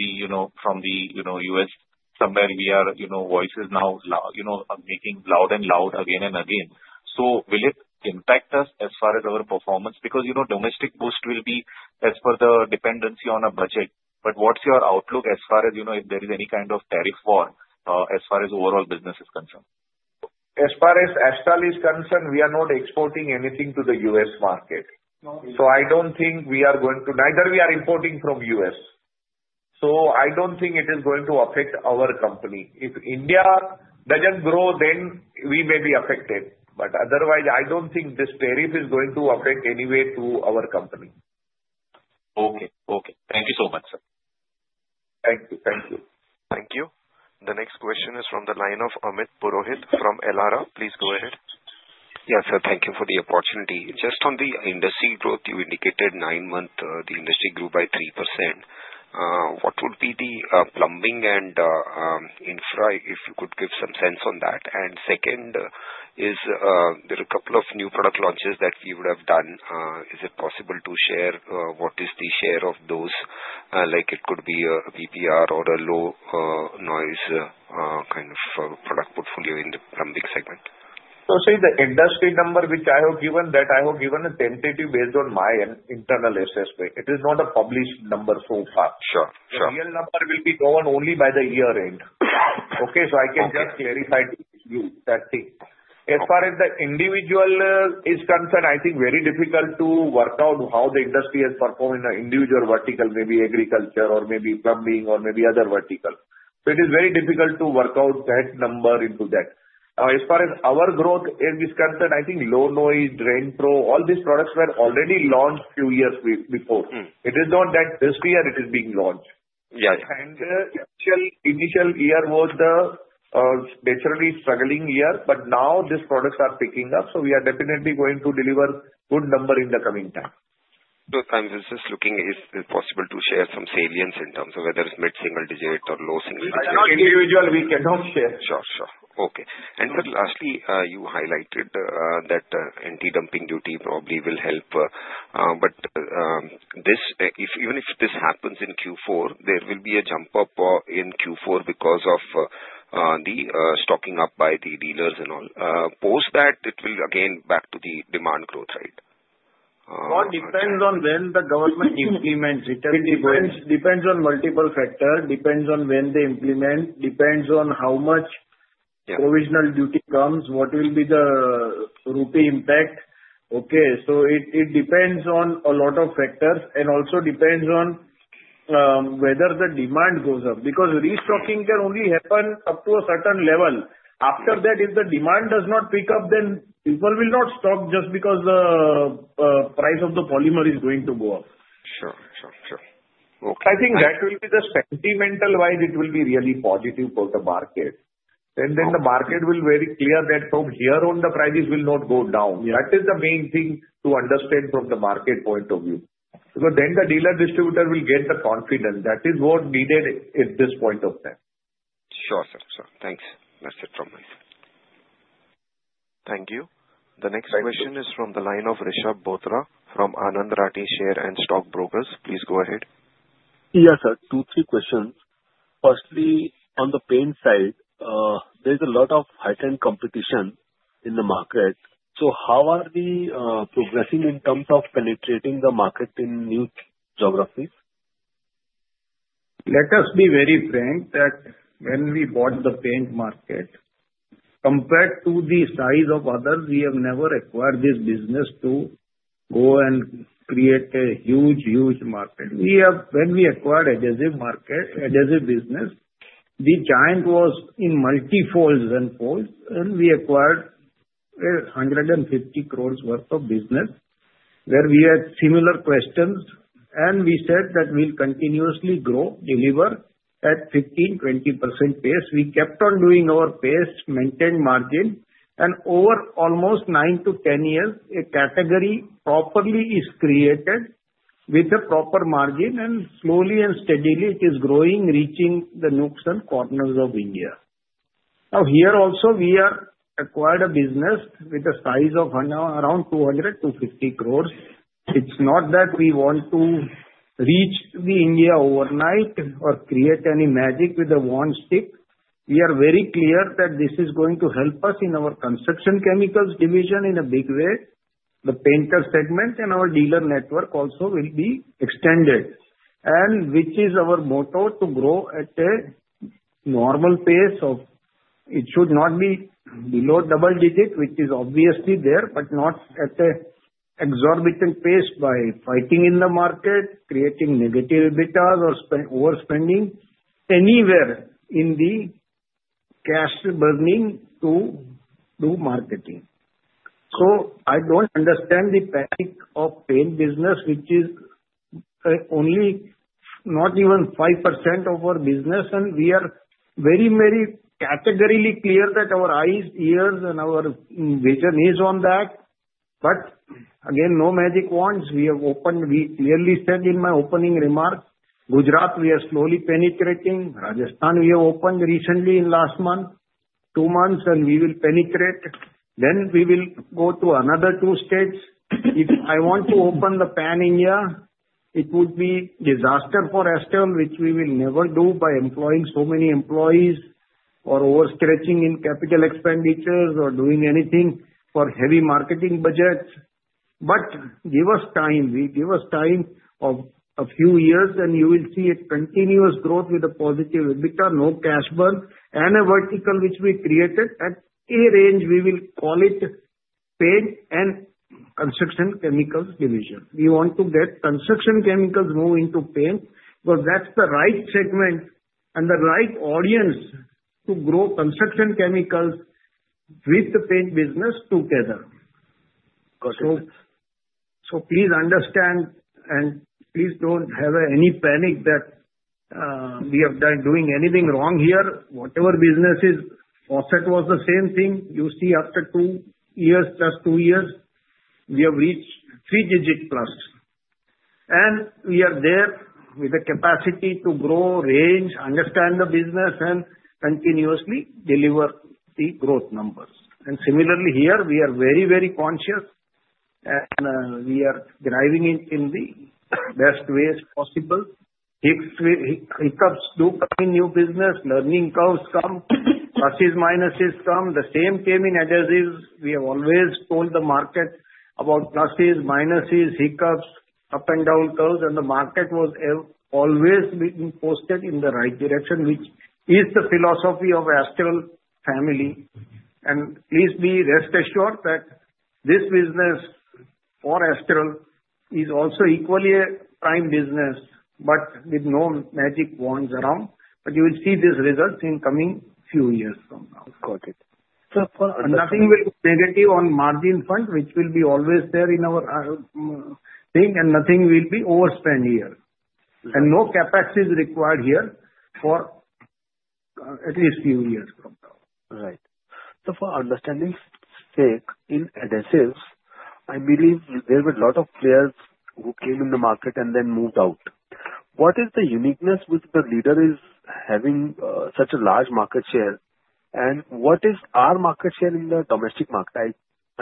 [SPEAKER 13] from the U.S., there are voices now making louder and louder again and again. So will it impact us as far as our performance? Because domestic boost will be as per the dependency on a budget. But what's your outlook as far as if there is any kind of tariff war as far as overall business is concerned?
[SPEAKER 4] As far as Astral is concerned, we are not exporting anything to the U.S. market. So I don't think we are going to. Neither are we importing from U.S. So I don't think it is going to affect our company. If India doesn't grow, then we may be affected. But otherwise, I don't think this tariff is going to affect any way to our company.
[SPEAKER 13] Okay. Okay. Thank you so much, sir.
[SPEAKER 4] Thank you. Thank you. Thank you.
[SPEAKER 1] The next question is from the line of Amit Purohit from Elara. Please go ahead.
[SPEAKER 14] Yes, sir. Thank you for the opportunity. Just on the industry growth, you indicated nine months, the industry grew by 3%. What would be the plumbing and infra if you could give some sense on that? And second is there are a couple of new product launches that we would have done. Is it possible to share what is the share of those? It could be a PPR or a low-noise kind of product portfolio in the plumbing segment?
[SPEAKER 4] So see, the industry number which I have given, that I have given a tentative based on my internal assessment. It is not a published number so far. The real number will be known only by the year end. Okay, so I can just clarify to you that thing. As far as the individual is concerned, I think very difficult to work out how the industry has performed in an individual vertical, maybe agriculture or maybe plumbing or maybe other vertical, so it is very difficult to work out that number into that. As far as our growth is concerned, I think low-noise, DrainPro, all these products were already launched a few years before. It is not that this year it is being launched, and initial year was naturally struggling year, but now these products are picking up, so we are definitely going to deliver good number in the coming time.
[SPEAKER 14] So, I'm just looking if it's possible to share some guidance in terms of whether it's mid-single-digit or low-single-digit?
[SPEAKER 4] Individually, we cannot share.
[SPEAKER 14] Sure. Sure. Okay. And, sir, lastly, you highlighted that anti-dumping duty probably will help. But even if this happens in Q4, there will be a jump up in Q4 because of the stocking up by the dealers and all. Post that, it will again back to the demand growth, right?
[SPEAKER 3] Well, it depends on when the government implements it. It depends on multiple factors. It depends on when they implement. It depends on how much provisional duty comes. What will be the rupee impact? Okay. So, it depends on a lot of factors and also depends on whether the demand goes up. Because restocking can only happen up to a certain level. After that, if the demand does not pick up, then people will not stop just because the price of the polymer is going to go up.
[SPEAKER 14] Sure. Sure. Sure. Okay.
[SPEAKER 4] I think that will be the sentiment wise, it will be really positive for the market. And then the market will very clear that from here on, the prices will not go down. That is the main thing to understand from the market point of view. Because then the dealer distributor will get the confidence. That is what needed at this point of time.
[SPEAKER 14] Sure, sir. Sure. Thanks. That's it from my side.
[SPEAKER 1] Thank you. The next question is from the line of Rishabh Bothra from Anand Rathi Share and Stock Brokers. Please go ahead.
[SPEAKER 15] Yes, sir. Two, three questions. Firstly, on the paint side, there's a lot of heightened competition in the market. So how are we progressing in terms of penetrating the market in new geographies?
[SPEAKER 3] Let us be very frank that when we bought the paint market, compared to the size of others, we have never acquired this business to go and create a huge, huge market. When we acquired adhesive market, adhesive business, the giant was in multi-folds and folds, and we acquired 150 crores worth of business where we had similar questions. And we said that we'll continuously grow, deliver at 15%-20% pace. We kept on doing our pace, maintained margin. And over almost 9-10 years, a category properly is created with a proper margin, and slowly and steadily, it is growing, reaching the nooks and corners of India. Now, here also, we have acquired a business with a size of around 200-250 crores. It's not that we want to reach India overnight or create any magic with a one stick. We are very clear that this is going to help us in our construction chemicals division in a big way. The paint segment and our dealer network also will be extended. And which is our motto to grow at a normal pace of it should not be below double-digit, which is obviously there, but not at an exorbitant pace by fighting in the market, creating negative EBITDAs, or overspending anywhere in the cash burning to do marketing. So I don't understand the panic of paint business, which is only not even 5% of our business. And we are very, very categorically clear that our eyes, ears, and our vision is on that. But again, no magic wands. We have opened. We clearly said in my opening remarks, Gujarat, we are slowly penetrating. Rajasthan, we have opened recently in last month, two months, and we will penetrate. Then we will go to another two states. If I want to open the pan India, it would be disaster for Astral, which we will never do by employing so many employees or overstretching in capital expenditures or doing anything for heavy marketing budgets. But give us time. We give us time of a few years, and you will see a continuous growth with a positive EBITDA, no cash burn, and a vertical which we created at a range. We will call it paint and construction chemicals division. We want to get construction chemicals more into paint because that's the right segment and the right audience to grow construction chemicals with the paint business together. So please understand, and please don't have any panic that we have done doing anything wrong here. Whatever business is, offset was the same thing. You see, after two years, just two years, we have reached three-digit plus. And we are there with the capacity to grow, range, understand the business, and continuously deliver the growth numbers. And similarly, here, we are very, very conscious, and we are driving it in the best ways possible. Hiccups do come in new business. Learning curves come. Pluses, minuses come. The same came in adhesives. We have always told the market about pluses, minuses, hiccups, up and down curves, and the market was always being posted in the right direction, which is the philosophy of Astral family. And please be rest assured that this business for Astral is also equally a prime business, but with no magic wands around. But you will see these results in coming few years from now.
[SPEAKER 15] Got it.
[SPEAKER 3] So for Astral, nothing will be negative on margin front, which will be always there in our thing, and nothing will be overspend here. And no capacity is required here for at least few years from now.
[SPEAKER 13] Right. So for understanding's sake, in adhesives, I believe there were a lot of players who came in the market and then moved out. What is the uniqueness which the leader is having such a large market share? And what is our market share in the domestic market? I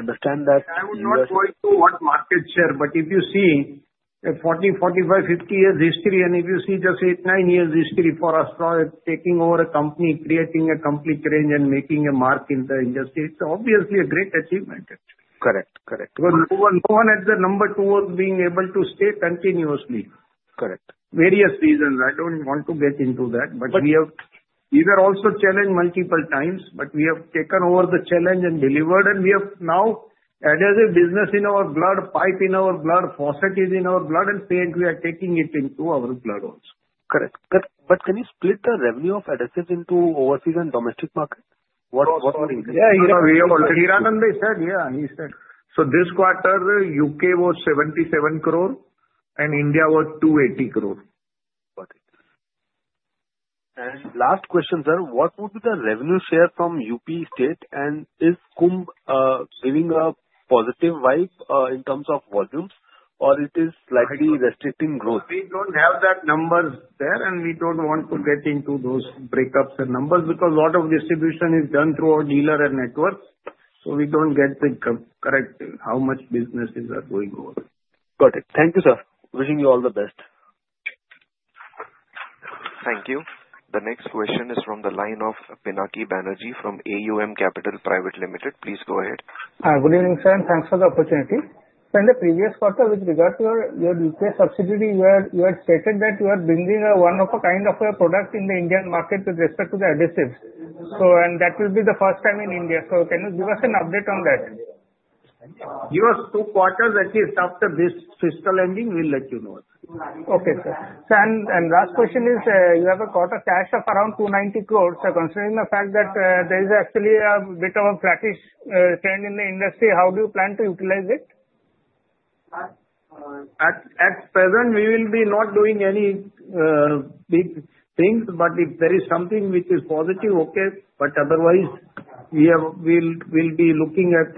[SPEAKER 13] understand that.
[SPEAKER 3] I would not go into what market share, but if you see a 40, 45, 50 years history, and if you see just eight, nine years history for Astral, taking over a company, creating a complete range, and making a mark in the industry, it's obviously a great achievement. Correct. Correct. Because no one at the number two was being able to stay continuously. Correct. Various reasons. I don't want to get into that, but we have either also challenged multiple times, but we have taken over the challenge and delivered, and we have now adhesives business in our blood, pipes in our blood, faucets in our blood, and paint, we are taking it into our blood also. Correct. But can you split the revenue of adhesives into overseas and domestic market? What are the increases? Yeah. We have already said. Yeah. He said.
[SPEAKER 4] So this quarter, UK was 77 crore, and India was 280 crore.
[SPEAKER 15] Got it. And last question, sir. What would be the revenue share from UP state? And is Kumbh giving a positive vibe in terms of volumes, or it is slightly restricting growth?
[SPEAKER 3] We don't have that numbers there, and we don't want to get into those breakups and numbers because a lot of distribution is done through our dealer and network. So we don't get the correct how much businesses are going over.
[SPEAKER 15] Got it. Thank you, sir. Wishing you all the best.
[SPEAKER 1] Thank you. The next question is from the line of Pinaki Banerjee from AUM Capital Private Limited. Please go ahead.
[SPEAKER 16] Good evening, sir. And thanks for the opportunity. So in the previous quarter, with regard to your UK subsidiary, you had stated that you are bringing one of a kind of a product in the Indian market with respect to the adhesives. And that will be the first time in India. So can you give us an update on that?
[SPEAKER 3] Yes. Two quarters, at least after this fiscal ending, we'll let you know.
[SPEAKER 16] Okay, sir. And last question is, you have a quarter cash of around 290 crores. So considering the fact that there is actually a bit of a flattish trend in the industry, how do you plan to utilize it?
[SPEAKER 3] At present, we will be not doing any big things, but if there is something which is positive, okay. But otherwise, we will be looking at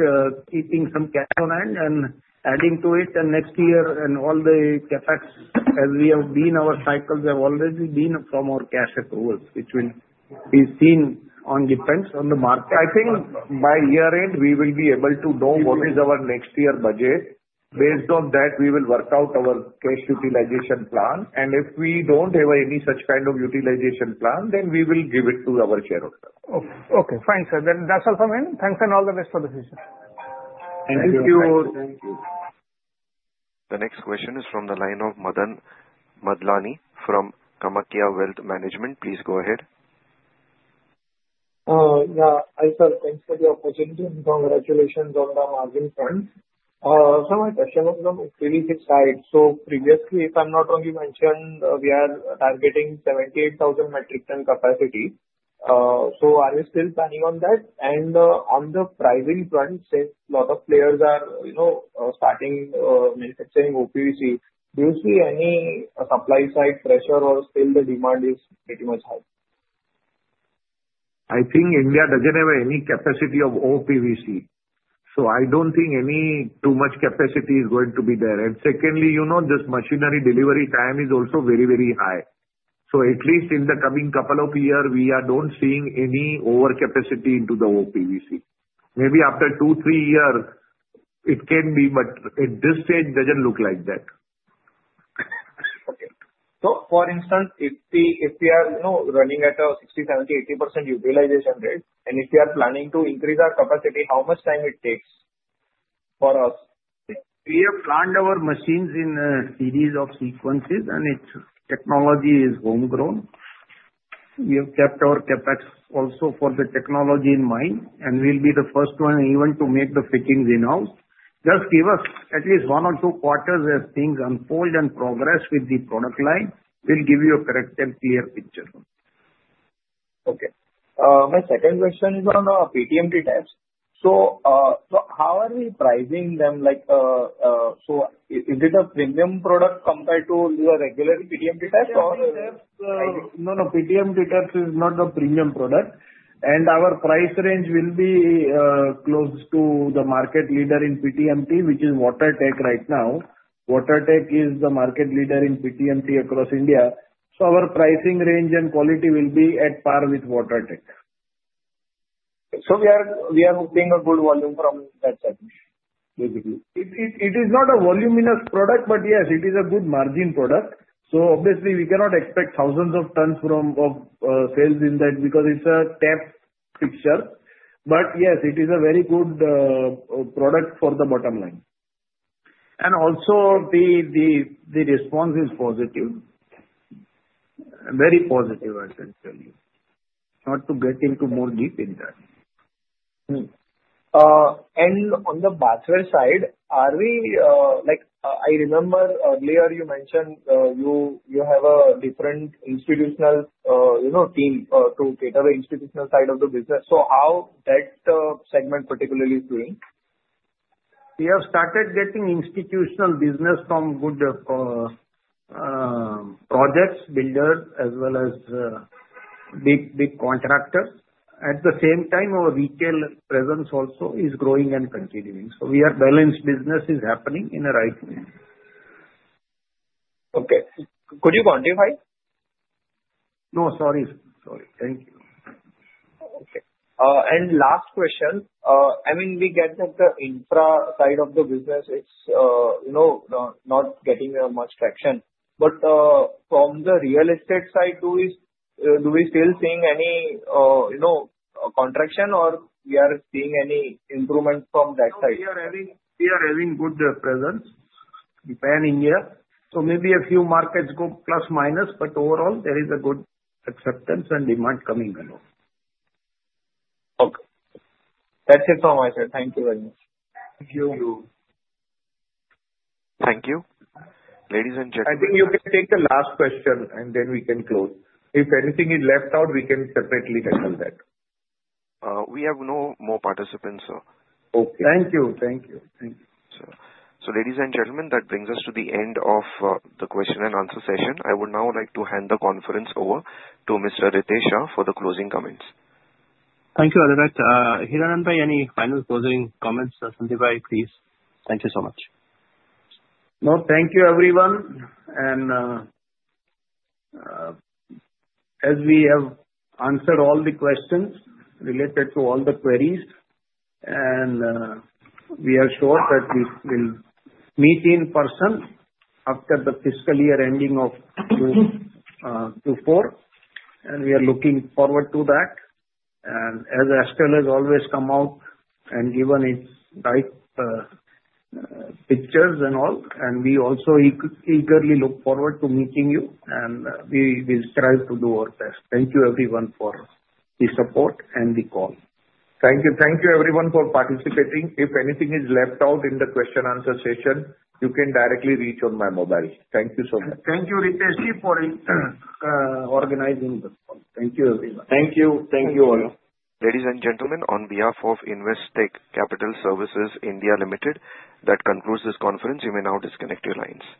[SPEAKER 3] keeping some cash on hand and adding to it next year and all the CapEx as we have been our cycles have already been from our cash approvals, which will depend on the market.
[SPEAKER 4] I think by year end, we will be able to know what is our next year budget. Based on that, we will work out our cash utilization plan. And if we don't have any such kind of utilization plan, then we will give it to our shareholders.
[SPEAKER 16] Okay. Fine, sir. That's all from me. Thanks and all the best for the future.
[SPEAKER 4] Thank you.
[SPEAKER 1] Thank you. The next question is from the line of Manan Madlani from Kamakhya Wealth Management. Please go ahead.
[SPEAKER 17] Yeah. Hi, sir. Thanks for the opportunity and congratulations on the margin run. So my question was on the adhesives side. So, previously, if I'm not wrong, you mentioned we are targeting 78,000 metric ton capacity. So, are you still planning on that? And on the pricing front, since a lot of players are starting manufacturing OPVC, do you see any supply-side pressure or still the demand is pretty much high?
[SPEAKER 4] I think India doesn't have any capacity of OPVC. So, I don't think any too much capacity is going to be there. And secondly, this machinery delivery time is also very, very high. So, at least in the coming couple of years, we are not seeing any overcapacity into the OPVC. Maybe after two, three years, it can be, but at this stage, it doesn't look like that.
[SPEAKER 17] Okay. So, for instance, if we are running at a 60%, 70%, 80% utilization rate, and if we are planning to increase our capacity, how much time it takes for us?
[SPEAKER 3] We have planned our machines in a series of sequences, and its technology is homegrown. We have kept our CapEx also for the technology in mind, and we'll be the first one even to make the fittings in-house. Just give us at least one or two quarters as things unfold and progress with the product line. We'll give you a correct and clear picture.
[SPEAKER 17] Okay. My second question is on PTMT taps. So how are we pricing them? So is it a premium product compared to the regular PTMT taps or?
[SPEAKER 11] No, no. PTMT taps is not a premium product. And our price range will be close to the market leader in PTMT, which is WaterTec right now. WaterTec is the market leader in PTMT across India. So our pricing range and quality will be at par with WaterTec.
[SPEAKER 17] So we are hoping a good volume from that side, basically.
[SPEAKER 11] It is not a voluminous product, but yes, it is a good margin product. So obviously, we cannot expect thousands of tons of sales in that because it's a tap fixture. But yes, it is a very good product for the bottom line.
[SPEAKER 3] And also, the response is positive. Very positive, I can tell you. Not to get into more deep in that.
[SPEAKER 17] And on the bathware side, I remember earlier you mentioned you have a different institutional team to cater the institutional side of the business. So how that segment particularly is doing?
[SPEAKER 3] We have started getting institutional business from good projects, builders, as well as big contractors. At the same time, our retail presence also is growing and continuing. So we are balanced business is happening in a right way.
[SPEAKER 17] Okay. Could you quantify?
[SPEAKER 3] No, sorry. Sorry. Thank you.
[SPEAKER 17] Okay. And last question. I mean, we get that the infra side of the business is not getting much traction. But from the real estate side, do we still seeing any contraction or we are seeing any improvement from that side?
[SPEAKER 3] We are having good presence in India. So maybe a few markets go plus minus, but overall, there is a good acceptance and demand coming along.
[SPEAKER 17] Okay. That's it from my side. Thank you very much.
[SPEAKER 3] Thank you.
[SPEAKER 1] Thank you. Ladies and gentlemen.
[SPEAKER 4] I think you can take the last question, and then we can close. If anything is left out, we can separately handle that.
[SPEAKER 1] We have no more participants, sir.
[SPEAKER 4] Okay. Thank you. Thank you. Thank you.
[SPEAKER 1] So ladies and gentlemen, that brings us to the end of the question and answer session. I would now like to hand the conference over to Mr. Ritesh Shah for the closing comments.
[SPEAKER 2] Thank you, Alrit. Hiranandbhai, any final closing comments? Sandeepbhai, please. Thank you so much.
[SPEAKER 3] No, thank you, everyone. We have answered all the questions related to all the queries, and we are sure that we will meet in person after the fiscal year ending of Q4. We are looking forward to that. Astral has always come out and given its right pictures and all, and we also eagerly look forward to meeting you, and we will strive to do our best. Thank you, everyone, for the support and the call. Thank you.
[SPEAKER 4] Thank you, everyone, for participating. If anything is left out in the question and answer session, you can directly reach on my mobile. Thank you so much.
[SPEAKER 3] Thank you, Ritesh Shah, for organizing the call. Thank you, everyone.
[SPEAKER 4] Thank you. Thank you all.
[SPEAKER 1] Ladies and gentlemen, on behalf of Investec Capital Services (India) Private Limited, that concludes this conference. You may now disconnect your lines.